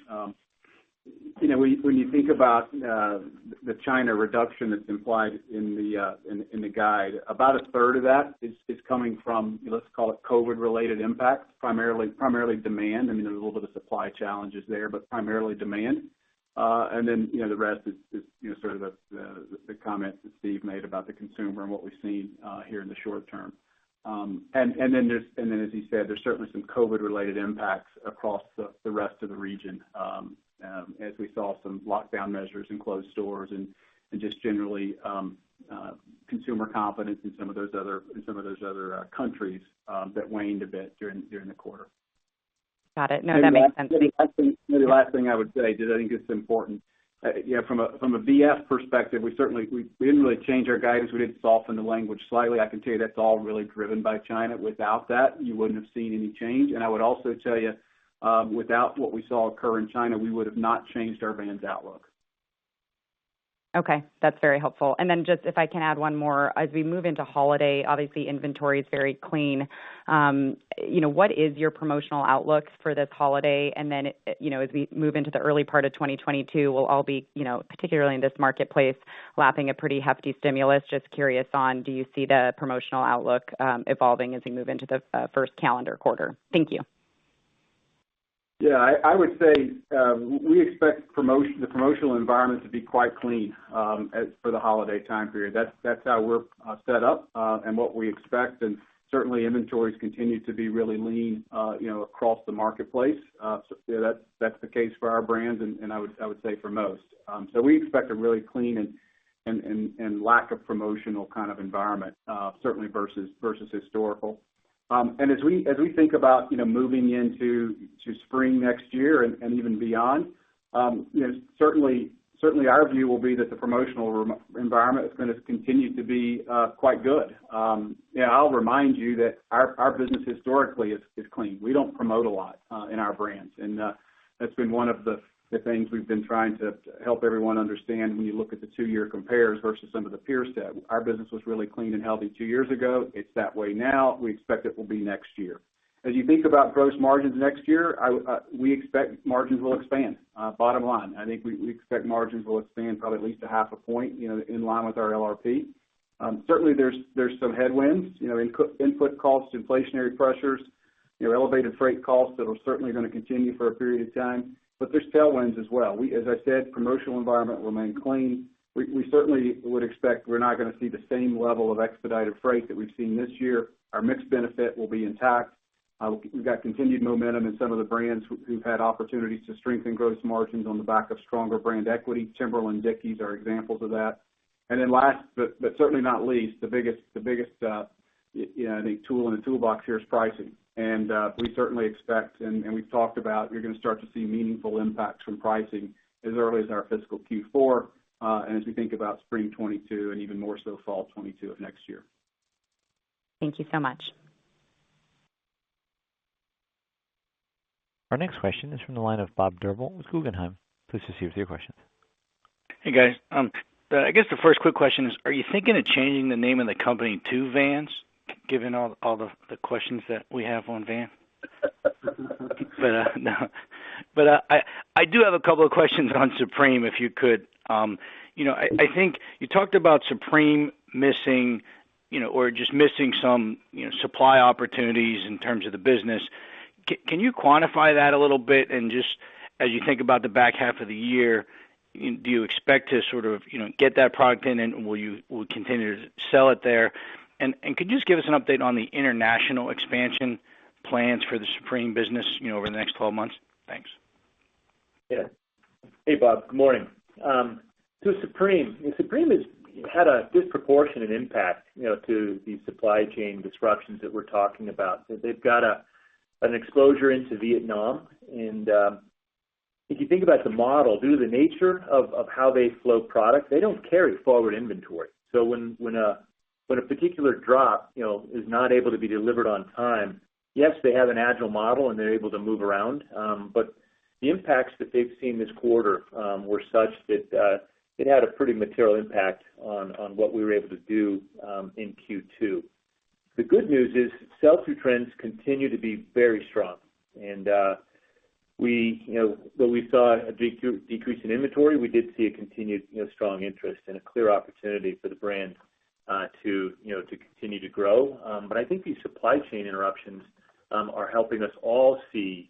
When you think about the China reduction that's implied in the guide, about a third of that is coming from, let's call it COVID related impacts, primarily demand. There's a little bit of supply challenges there, but primarily demand. The rest is the comments that Steve made about the consumer and what we've seen here in the short term. As he said, there's certainly some COVID related impacts across the rest of the region as we saw some lockdown measures and closed stores and just generally consumer confidence in some of those other countries that waned a bit during the quarter. Got it. No, that makes sense. The last thing I would say, because I think it's important. From a VF perspective, we didn't really change our guidance. We did soften the language slightly. I can tell you that's all really driven by China. Without that, you wouldn't have seen any change. I would also tell you, without what we saw occur in China, we would have not changed our Vans outlook. Okay. That's very helpful. Then just, if I can add one more. As we move into holiday, obviously inventory is very clean. What is your promotional outlook for this holiday? Then, as we move into the early part of 2022, we'll all be, particularly in this marketplace, lapping a pretty hefty stimulus. Just curious on, do you see the promotional outlook evolving as we move into the first calendar quarter? Thank you. Yeah. I would say, we expect the promotional environment to be quite clean for the holiday time period. That's how we're set up and what we expect. Certainly inventories continue to be really lean across the marketplace. That's the case for our brands, and I would say for most. We expect a really clean and lack of promotional kind of environment, certainly versus historical. As we think about moving into spring next year and even beyond, certainly our view will be that the promotional environment is going to continue to be quite good. I'll remind you that our business historically is clean. We don't promote a lot in our brands, and that's been one of the things we've been trying to help everyone understand when you look at the two-year compares versus some of the peers to that. Our business was really clean and healthy two years ago. It's that way now. We expect it will be next year. As you think about gross margins next year, we expect margins will expand, bottom line. I think we expect margins will expand probably at least a half a point, in line with our LRP. Certainly, there's some headwinds. Input costs, inflationary pressures, elevated freight costs that are certainly going to continue for a period of time, but there's tailwinds as well. As I said, promotional environment will remain clean. We certainly would expect we're not going to see the same level of expedited freight that we've seen this year. Our mix benefit will be intact. We've got continued momentum in some of the brands who've had opportunities to strengthen gross margins on the back of stronger brand equity. Timberland and Dickies are examples of that. Last, but certainly not least, the biggest I think tool in the toolbox here is pricing, and we certainly expect, and we've talked about, you're going to start to see meaningful impacts from pricing as early as our fiscal Q4, and as we think about spring 2022 and even more so fall 2022 of next year. Thank you so much. Our next question is from the line of Bob Drbul with Guggenheim. Please proceed with your questions. Hey, guys. I guess the first quick question is, are you thinking of changing the name of the company to Vans, given all the questions that we have on Vans? I do have a couple of questions on Supreme, if you could. I think you talked about Supreme just missing some supply opportunities in terms of the business. Can you quantify that a little bit? Just as you think about the back half of the year, do you expect to sort of get that product in, and will you continue to sell it there? Could you just give us an update on the international expansion plans for the Supreme business over the next 12 months? Thanks. Yeah. Hey, Bob. Good morning. Supreme has had a disproportionate impact to the supply chain disruptions that we're talking about. They've got an exposure into Vietnam. If you think about the model, due to the nature of how they flow product, they don't carry forward inventory. When a particular drop is not able to be delivered on time, yes, they have an agile model, and they're able to move around. The impacts that they've seen this quarter were such that it had a pretty material impact on what we were able to do in Q2. The good news is sell-through trends continue to be very strong. Though we saw a decrease in inventory, we did see a continued strong interest and a clear opportunity for the brand to continue to grow. I think these supply chain interruptions are helping us all see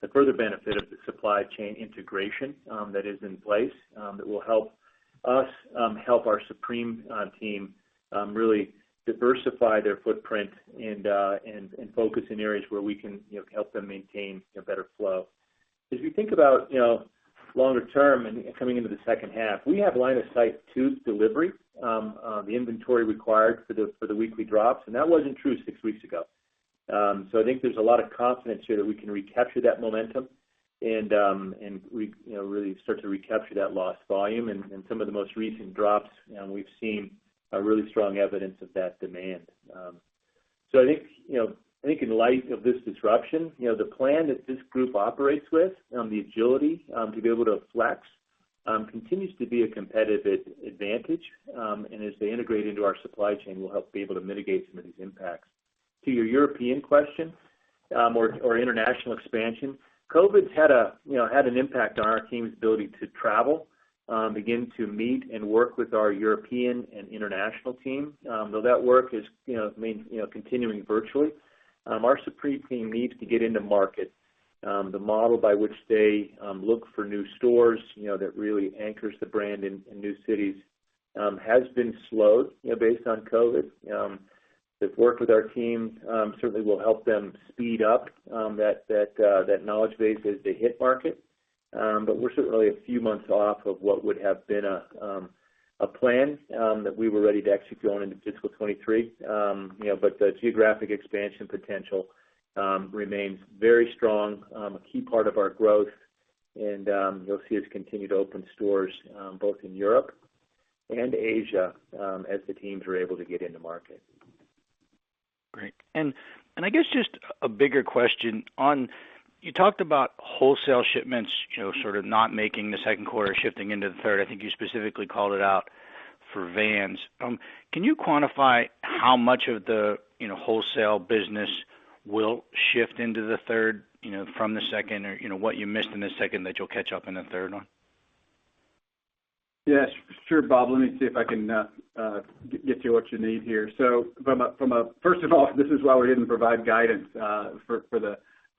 the further benefit of the supply chain integration that is in place that will help us, help our Supreme team really diversify their footprint and focus in areas where we can help them maintain a better flow. As we think about longer term and coming into the second half, we have line of sight to delivery, the inventory required for the weekly drops, and that wasn't true six weeks ago. I think there's a lot of confidence here that we can recapture that momentum and we really start to recapture that lost volume. Some of the most recent drops, we've seen a really strong evidence of that demand. I think in light of this disruption, the plan that this group operates with on the agility to be able to flex continues to be a competitive advantage. As they integrate into our supply chain, we'll help be able to mitigate some of these impacts. To your European question or international expansion, COVID-19's had an impact on our team's ability to travel, begin to meet and work with our European and international team. Though that work is continuing virtually, our Supreme team needs to get into market. The model by which they look for new stores that really anchors the brand in new cities has been slowed based on COVID-19. They've worked with our team, certainly will help them speed up that knowledge base as they hit market. We're certainly a few months off of what would have been a plan that we were ready to execute going into fiscal 2023. The geographic expansion potential remains very strong, a key part of our growth. You'll see us continue to open stores both in Europe and Asia as the teams are able to get into market. Great. I guess just a bigger question on, you talked about wholesale shipments sort of not making the second quarter shifting into the third. I think you specifically called it out for Vans. Can you quantify how much of the wholesale business will shift into the third from the second, or what you missed in the second that you'll catch up in the third on? Yes. Sure, Bob. Let me see if I can get you what you need here. First of all, this is why we didn't provide guidance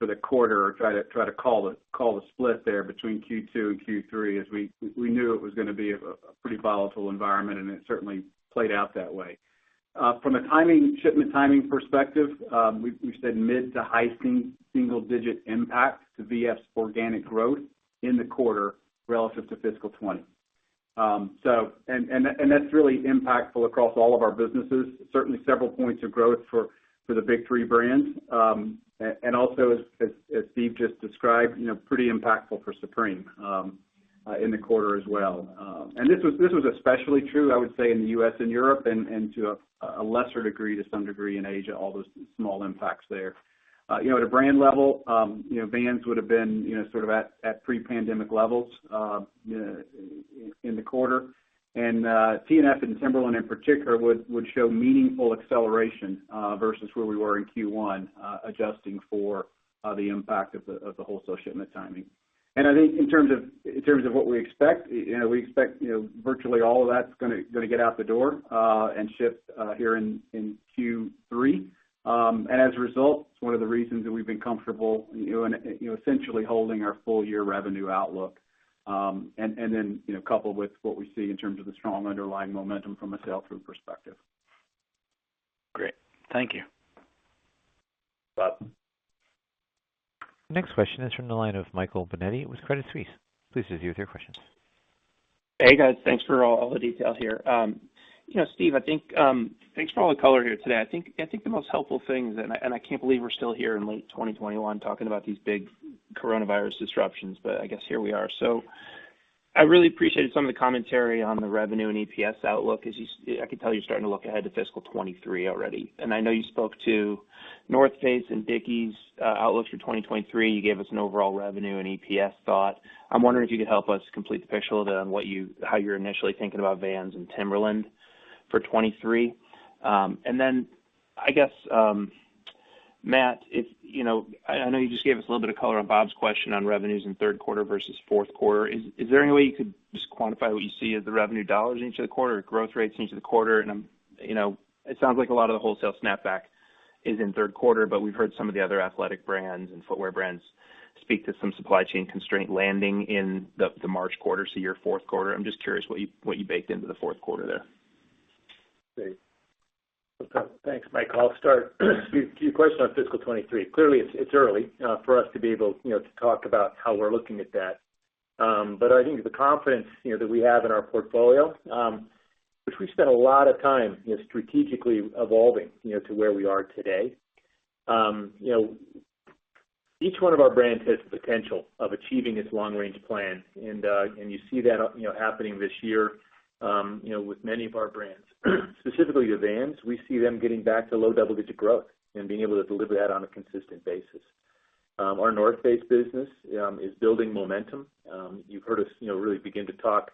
for the quarter or try to call the split there between Q2 and Q3, as we knew it was going to be a pretty volatile environment, and it certainly played out that way. From a shipment timing perspective, we've said mid to high single-digit impact to V.F.'s organic growth in the quarter relative to fiscal 2020. That's really impactful across all of our businesses. Certainly several points of growth for the big three brands. Also as Steve just described, pretty impactful for Supreme in the quarter as well. This was especially true, I would say, in the U.S. and Europe and to a lesser degree, to some degree in Asia, all those small impacts there. At a brand level, Vans would have been sort of at pre-pandemic levels in the quarter. TNF and Timberland in particular would show meaningful acceleration versus where we were in Q1 adjusting for the impact of the wholesale shipment timing. I think in terms of what we expect, we expect virtually all of that's going to get out the door and ship here in Q3. As a result, it's one of the reasons that we've been comfortable essentially holding our full year revenue outlook. Coupled with what we see in terms of the strong underlying momentum from a sell-through perspective. Great. Thank you. Bob. Next question is from the line of Michael Binetti with Credit Suisse. Please proceed with your questions. Hey, guys. Thanks for all the detail here. Steve, thanks for all the color here today. I think the most helpful thing is, I can't believe we're still here in late 2021 talking about these big coronavirus disruptions, I guess here we are. I really appreciated some of the commentary on the revenue and EPS outlook. I could tell you're starting to look ahead to fiscal 2023 already, I know you spoke to The North Face and Dickies outlooks for 2023. You gave us an overall revenue and EPS thought. I'm wondering if you could help us complete the picture a little bit on how you're initially thinking about Vans and Timberland for 2023. Then, I guess, Matt, I know you just gave us a little bit of color on Bob's question on revenues in third quarter versus fourth quarter. Is there any way you could just quantify what you see as the revenue dollars in each of the quarter or growth rates in each of the quarter? It sounds like a lot of the wholesale snapback is in third quarter, but we've heard some of the other athletic brands and footwear brands speak to some supply chain constraint landing in the March quarter, so your fourth quarter. I'm just curious what you baked into the fourth quarter there. Great. Thanks, Michael. I'll start. To your question on fiscal 2023, clearly it's early for us to be able to talk about how we're looking at that. I think the confidence that we have in our portfolio, which we've spent a lot of time strategically evolving to where we are today. Each one of our brands has the potential of achieving its long-range plan. You see that happening this year with many of our brands. Specifically with Vans, we see them getting back to low double-digit growth and being able to deliver that on a consistent basis. Our The North Face business is building momentum. You've heard us really begin to talk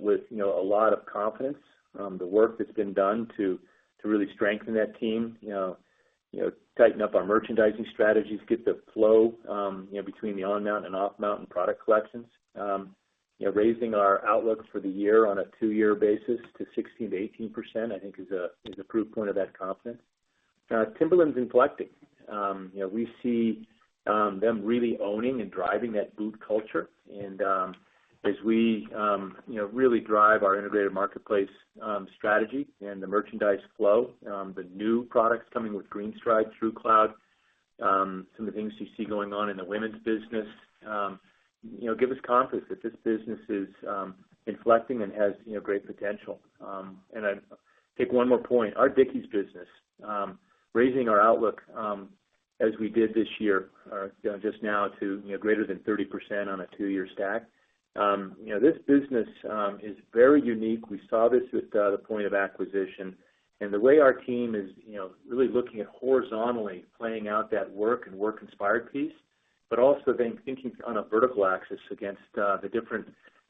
with a lot of confidence. The work that's been done to really strengthen that team, tighten up our merchandising strategies, get the flow between the on-mountain and off-mountain product collections. Raising our outlook for the year on a two-year basis to 16%-18%, I think is a proof point of that confidence. Timberland's inflecting. We see them really owning and driving that boot culture. As we really drive our integrated marketplace strategy and the merchandise flow, the new products coming with GreenStride TrueCloud, some of the things you see going on in the women's business, give us confidence that this business is inflecting and has great potential. I'd pick one more point. Our Dickies business, raising our outlook as we did this year, just now to greater than 30% on a two-year stack. This business is very unique. We saw this with the point of acquisition, and the way our team is really looking at horizontally playing out that work and work-inspired piece, but also then thinking on a vertical axis against the different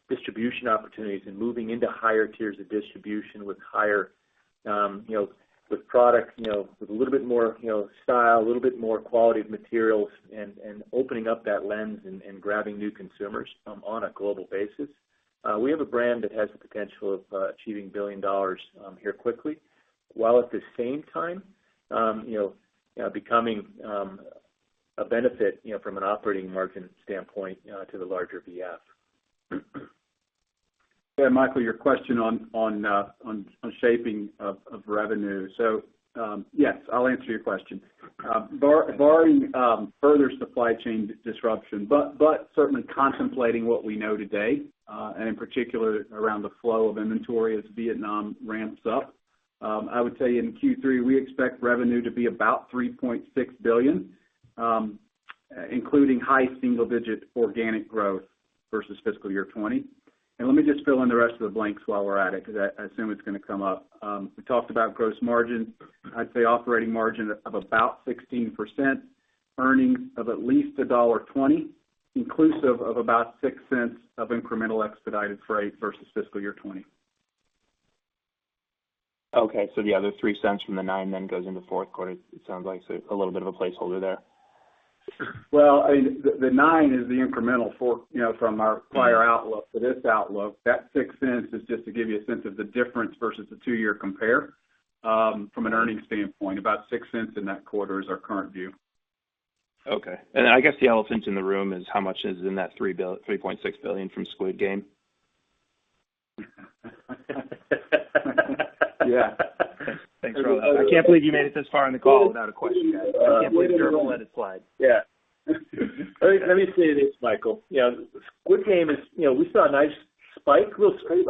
distribution opportunities and moving into higher tiers of distribution with product, with a little bit more style, a little bit more quality of materials, and opening up that lens and grabbing new consumers on a global basis. We have a brand that has the potential of achieving $1 billion here quickly, while at the same time, becoming a benefit from an operating margin standpoint to the larger VF. Yeah, Michael, your question on shaping of revenue. Yes, I'll answer your question. Barring further supply chain disruption, but certainly contemplating what we know today, and in particular, around the flow of inventory as Vietnam ramps up. I would tell you in Q3, we expect revenue to be about $3.6 billion, including high single-digit organic growth versus fiscal year 2020. Let me just fill in the rest of the blanks while we're at it, because I assume it's going to come up. We talked about gross margin. I'd say operating margin of about 16%, earnings of at least $1.20, inclusive of about $0.06 of incremental expedited freight versus fiscal year 2020. Okay. The other $0.03 from the $0.09 then goes into fourth quarter, it sounds like. A little bit of a placeholder there. Well, the $0.09 is the incremental from our prior outlook to this outlook. That $0.06 is just to give you a sense of the difference versus the two-year compare from an earnings standpoint. About $0.06 in that quarter is our current view. Okay. Then I guess the elephant in the room is how much is in that $3.6 billion from "Squid Game"? Yeah. Thanks, Rendle. I can't believe you made it this far in the call without a question yet. I can't believe you're going to let it slide. Let me say this, Michael. Squid Game. We saw a nice spike.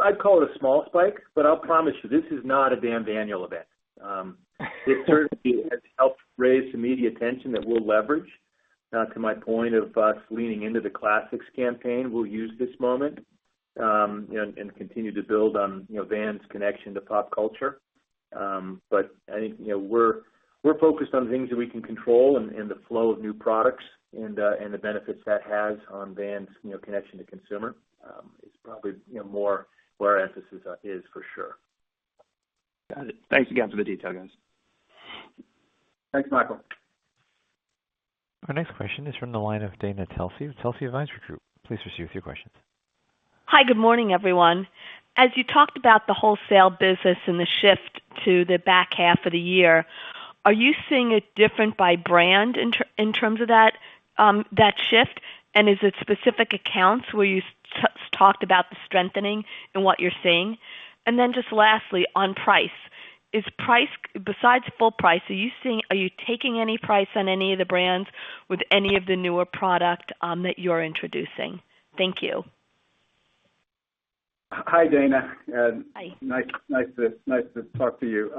I'd call it a small spike. I'll promise you, this is not a Damn Daniel event. It certainly has helped raise some media attention that we'll leverage. To my point of us leaning into the classics campaign, we'll use this moment, continue to build on Vans' connection to pop culture. I think we're focused on things that we can control and the flow of new products and the benefits that has on Vans' connection to consumer. It's probably more where our emphasis is, for sure. Got it. Thanks again for the detail, guys. Thanks, Michael. Our next question is from the line of Dana Telsey of Telsey Advisory Group. Please proceed with your question. Hi. Good morning, everyone. As you talked about the wholesale business and the shift to the back half of the year, are you seeing it different by brand in terms of that shift? Is it specific accounts where you talked about the strengthening and what you're seeing? Just lastly, on price, besides full price, are you taking any price on any of the brands with any of the newer product that you're introducing? Thank you. Hi, Dana. Hi. Nice to talk to you.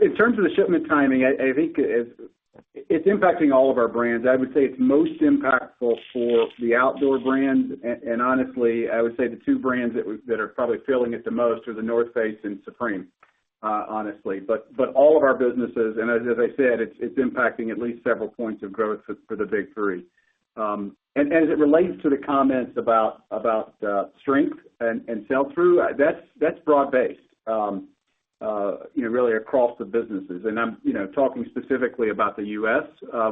In terms of the shipment timing, I think it's impacting all of our brands. I would say it's most impactful for the outdoor brands. Honestly, I would say the two brands that are probably feeling it the most are The North Face and Supreme, honestly. All of our businesses, as I said, it's impacting at least several points of growth for the big three. As it relates to the comments about strength and sell-through, that's broad based really across the businesses. I'm talking specifically about the U.S.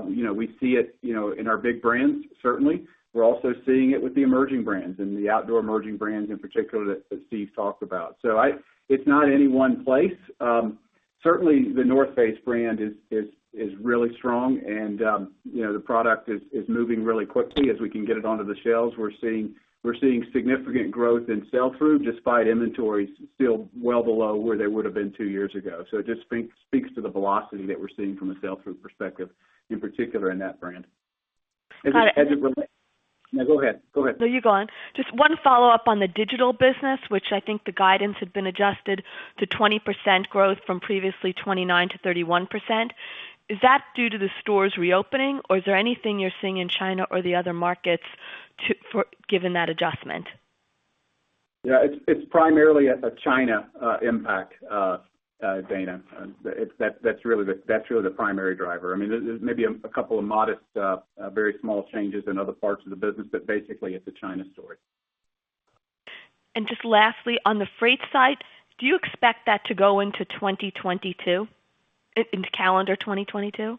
We see it in our big brands, certainly. We're also seeing it with the emerging brands, the outdoor emerging brands in particular that Steve talked about. It's not any one place. Certainly, The North Face brand is really strong and the product is moving really quickly as we can get it onto the shelves. We're seeing significant growth in sell-through, despite inventories still well below where they would've been two years ago. It just speaks to the velocity that we're seeing from a sell-through perspective, in particular in that brand. No, go ahead. No, you go on. Just one follow-up on the digital business, which I think the guidance had been adjusted to 20% growth from previously 29%-31%. Is that due to the stores reopening, or is there anything you're seeing in China or the other markets given that adjustment? Yeah. It's primarily a China impact, Dana. That's really the primary driver. There may be a couple of modest, very small changes in other parts of the business, but basically, it's a China story. Just lastly, on the freight side, do you expect that to go into calendar 2022?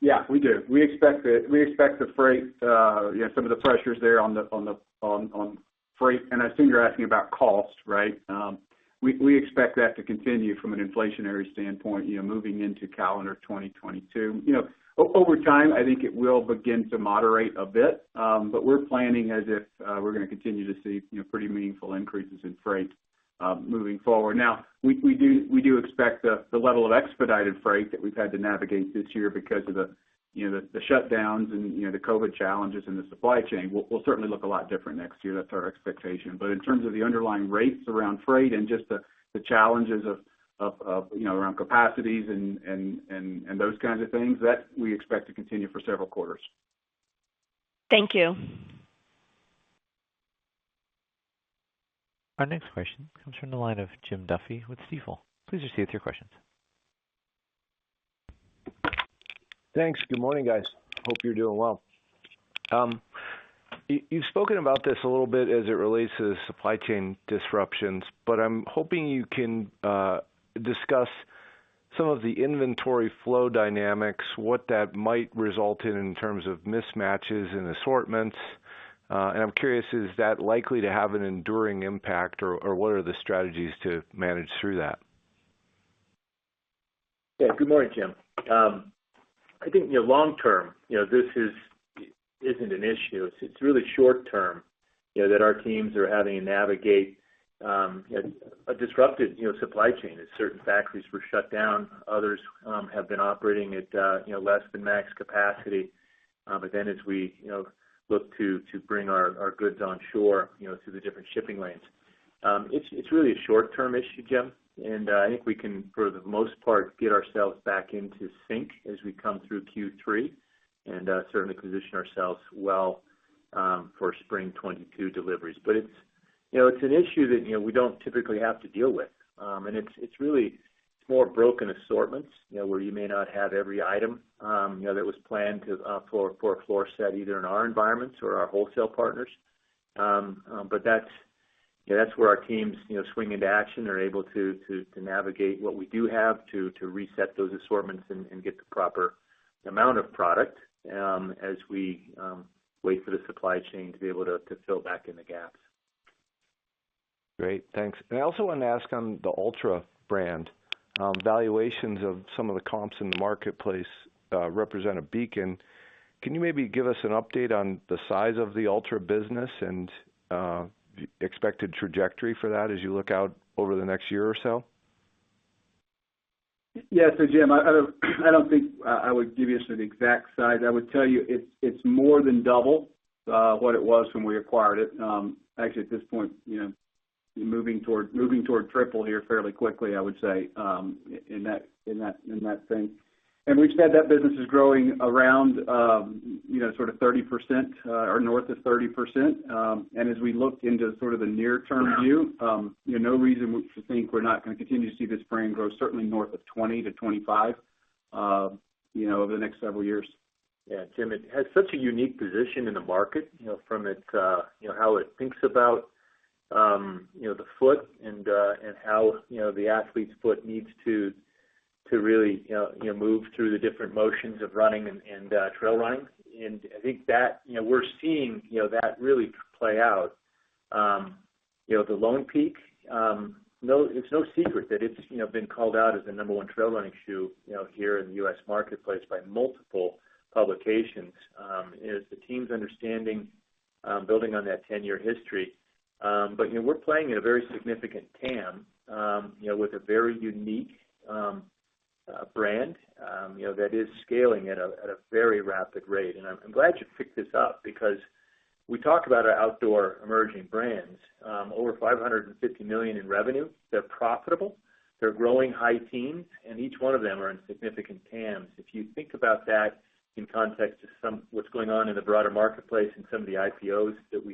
Yeah. We do. We expect some of the pressures there on freight, and I assume you're asking about cost, right? We expect that to continue from an inflationary standpoint, moving into calendar 2022. Over time, I think it will begin to moderate a bit. We're planning as if we're going to continue to see pretty meaningful increases in freight moving forward. We do expect the level of expedited freight that we've had to navigate this year because of the shutdowns and the COVID challenges in the supply chain will certainly look a lot different next year. That's our expectation. In terms of the underlying rates around freight and just the challenges around capacities and those kinds of things, that, we expect to continue for several quarters. Thank you. Our next question comes from the line of Jim Duffy with Stifel. Please proceed with your questions. Thanks. Good morning, guys. Hope you're doing well. You've spoken about this a little bit as it relates to supply chain disruptions, but I'm hoping you can discuss some of the inventory flow dynamics, what that might result in terms of mismatches and assortments. I'm curious, is that likely to have an enduring impact, or what are the strategies to manage through that? Good morning, Jim. I think long term, this isn't an issue. It's really short term, that our teams are having to navigate a disrupted supply chain as certain factories were shut down. Others have been operating at less than max capacity. As we look to bring our goods on shore through the different shipping lanes. It's really a short-term issue, Jim. I think we can, for the most part, get ourselves back into sync as we come through Q3, certainly position ourselves well for spring 2022 deliveries. It's an issue that we don't typically have to deal with. It's really more broken assortments, where you may not have every item that was planned for a floor set, either in our environments or our wholesale partners. That's where our teams swing into action. They're able to navigate what we do have to reset those assortments and get the proper amount of product as we wait for the supply chain to be able to fill back in the gaps. Great. Thanks. I also wanted to ask on the Altra brand. Valuations of some of the comps in the marketplace represent a beacon. Can you maybe give us an update on the size of the Altra business and expected trajectory for that as you look out over the next year or so? Yeah. Jim, I don't think I would give you the exact size. I would tell you it's more than double what it was when we acquired it. Actually, at this point, moving toward triple here fairly quickly, I would say, in that thing. We've said that business is growing around sort of 30% or north of 30%. As we look into sort of the near-term view, no reason to think we're not going to continue to see this brand grow certainly north of 20%-25% over the next several years. Yeah, Jim, it has such a unique position in the market, from how it thinks about the foot and how the athlete's foot needs to really move through the different motions of running and trail running. I think that we're seeing that really play out. The Lone Peak, it's no secret that it's been called out as the number one trail running shoe here in the U.S. marketplace by multiple publications, and as the team's understanding, building on that 10-year history. We're playing in a very significant TAM, with a very unique brand that is scaling at a very rapid rate. I'm glad you picked this up because we talk about our outdoor emerging brands. Over $550 million in revenue. They're profitable. They're growing high teens, and each one of them are in significant TAMs. If you think about that in context to what's going on in the broader marketplace and some of the IPOs that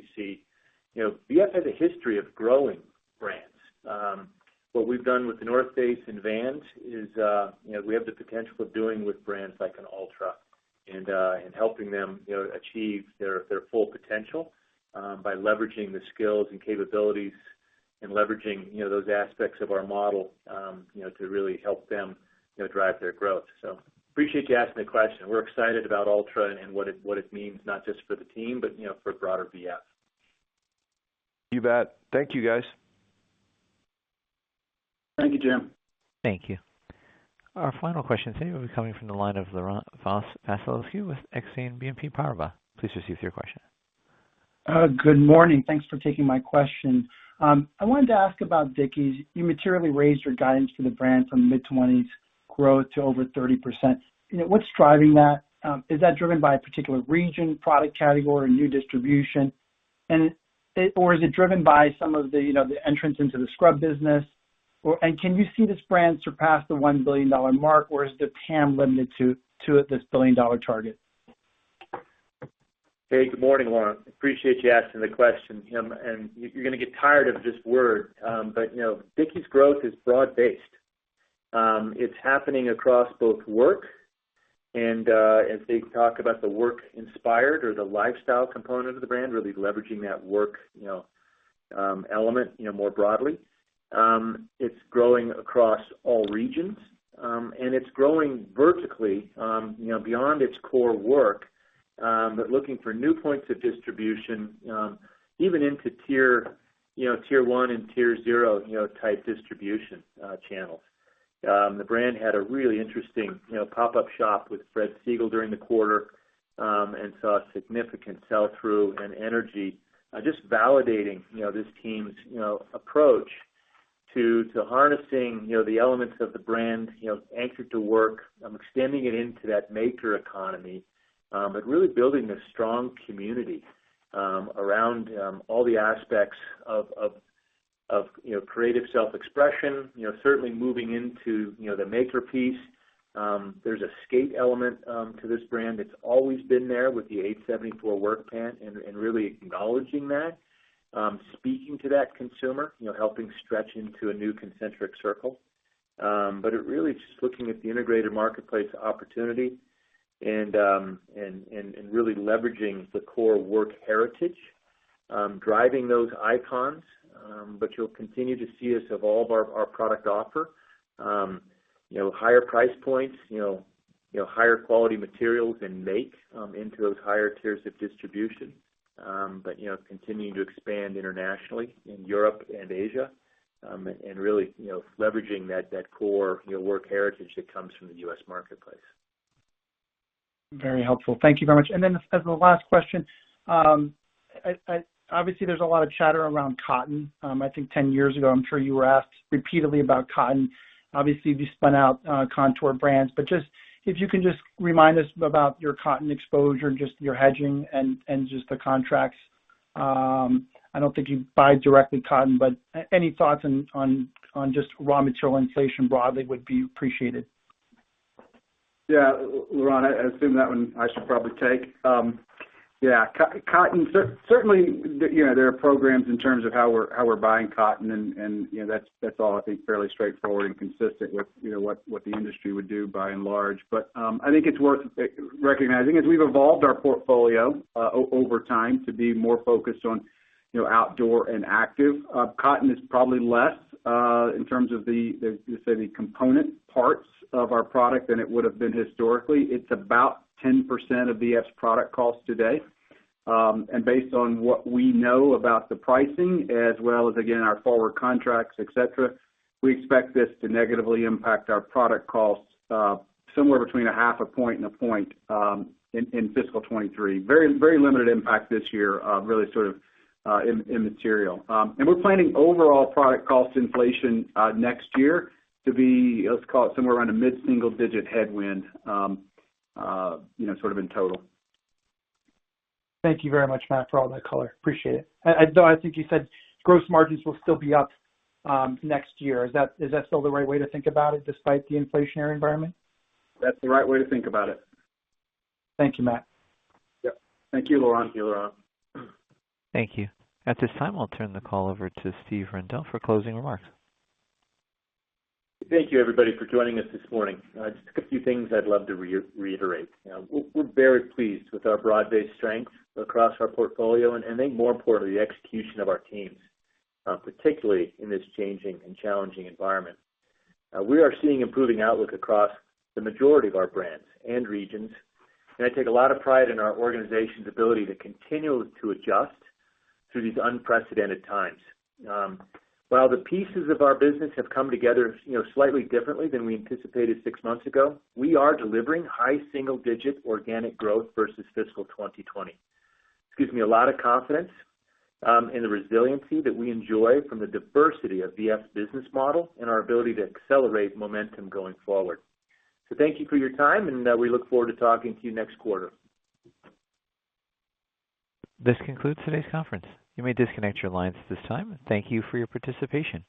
we see, VF has a history of growing brands. What we've done with The North Face and Vans is, we have the potential of doing with brands like an Altra and helping them achieve their full potential by leveraging the skills and capabilities and leveraging those aspects of our model to really help them drive their growth. Appreciate you asking the question. We're excited about Altra and what it means, not just for the team, but for broader VF. You bet. Thank you, guys. Thank you, Jim. Thank you. Our final question today will be coming from the line of Laurent Vasilescu with Exane BNP Paribas. Please proceed with your question. Good morning. Thanks for taking my question. I wanted to ask about Dickies. You materially raised your guidance for the brand from mid-20s growth to over 30%. What's driving that? Is that driven by a particular region, product category, or new distribution? Is it driven by some of the entrance into the scrub business? Can you see this brand surpass the $1 billion mark, or is the TAM limited to this billion-dollar target? Hey, good morning, Laurent. Appreciate you asking the question. You're gonna get tired of this word, Dickies growth is broad-based. It's happening across both work and as they talk about the work-inspired or the lifestyle component of the brand, really leveraging that work element more broadly. It's growing across all regions. It's growing vertically, beyond its core work, looking for new points of distribution, even into Tier 1 and Tier 0 type distribution channels. The brand had a really interesting pop-up shop with Fred Segal during the quarter, saw significant sell-through and energy. Just validating this team's approach to harnessing the elements of the brand, anchored to work, extending it into that maker economy. Really building a strong community around all the aspects of creative self-expression. Certainly moving into the maker piece. There's a skate element to this brand. It's always been there with the 874 work pant and really acknowledging that, speaking to that consumer, helping stretch into a new concentric circle. It really is just looking at the integrated marketplace opportunity and really leveraging the core work heritage, driving those icons. You'll continue to see us evolve our product offer. Higher price points, higher quality materials and make into those higher tiers of distribution. Continuing to expand internationally in Europe and Asia, and really leveraging that core work heritage that comes from the U.S. marketplace. Very helpful. Thank you very much. As the last question, obviously, there's a lot of chatter around cotton. I think 10 years ago, I'm sure you were asked repeatedly about cotton. Obviously, you spun out Kontoor Brands, but if you can just remind us about your cotton exposure and just your hedging and just the contracts. I don't think you buy directly cotton, but any thoughts on just raw material inflation broadly would be appreciated. Yeah. Laurent, I assume that one I should probably take. Yeah. Cotton. Certainly, there are programs in terms of how we're buying cotton, and that's all, I think, fairly straightforward and consistent with what the industry would do by and large. I think it's worth recognizing, as we've evolved our portfolio over time to be more focused on outdoor and active. Cotton is probably less, in terms of the, say, the component parts of our product than it would've been historically. It's about 10% of V.F.'s product cost today. Based on what we know about the pricing as well as, again, our forward contracts, et cetera, we expect this to negatively impact our product costs somewhere between 0.5 point-1 point in fiscal 2023. Very limited impact this year, really sort of immaterial. We're planning overall product cost inflation next year to be, let's call it somewhere around a mid-single digit headwind sort of in total. Thank you very much, Matt, for all that color. Appreciate it. I think you said gross margins will still be up next year. Is that still the right way to think about it despite the inflationary environment? That's the right way to think about it. Thank you, Matt. Yep. Thank you, Laurent. Thank you. At this time, I'll turn the call over to Steve Rendle for closing remarks. Thank you everybody for joining us this morning. Just a few things I'd love to reiterate. We're very pleased with our broad-based strength across our portfolio and I think more importantly, the execution of our teams, particularly in this changing and challenging environment. We are seeing improving outlook across the majority of our brands and regions. I take a lot of pride in our organization's ability to continually to adjust through these unprecedented times. While the pieces of our business have come together slightly differently than we anticipated six months ago, we are delivering high single-digit organic growth versus fiscal 2020. This gives me a lot of confidence in the resiliency that we enjoy from the diversity of V.F.'s business model and our ability to accelerate momentum going forward. Thank you for your time, and we look forward to talking to you next quarter. This concludes today's conference. You may disconnect your lines at this time. Thank you for your participation.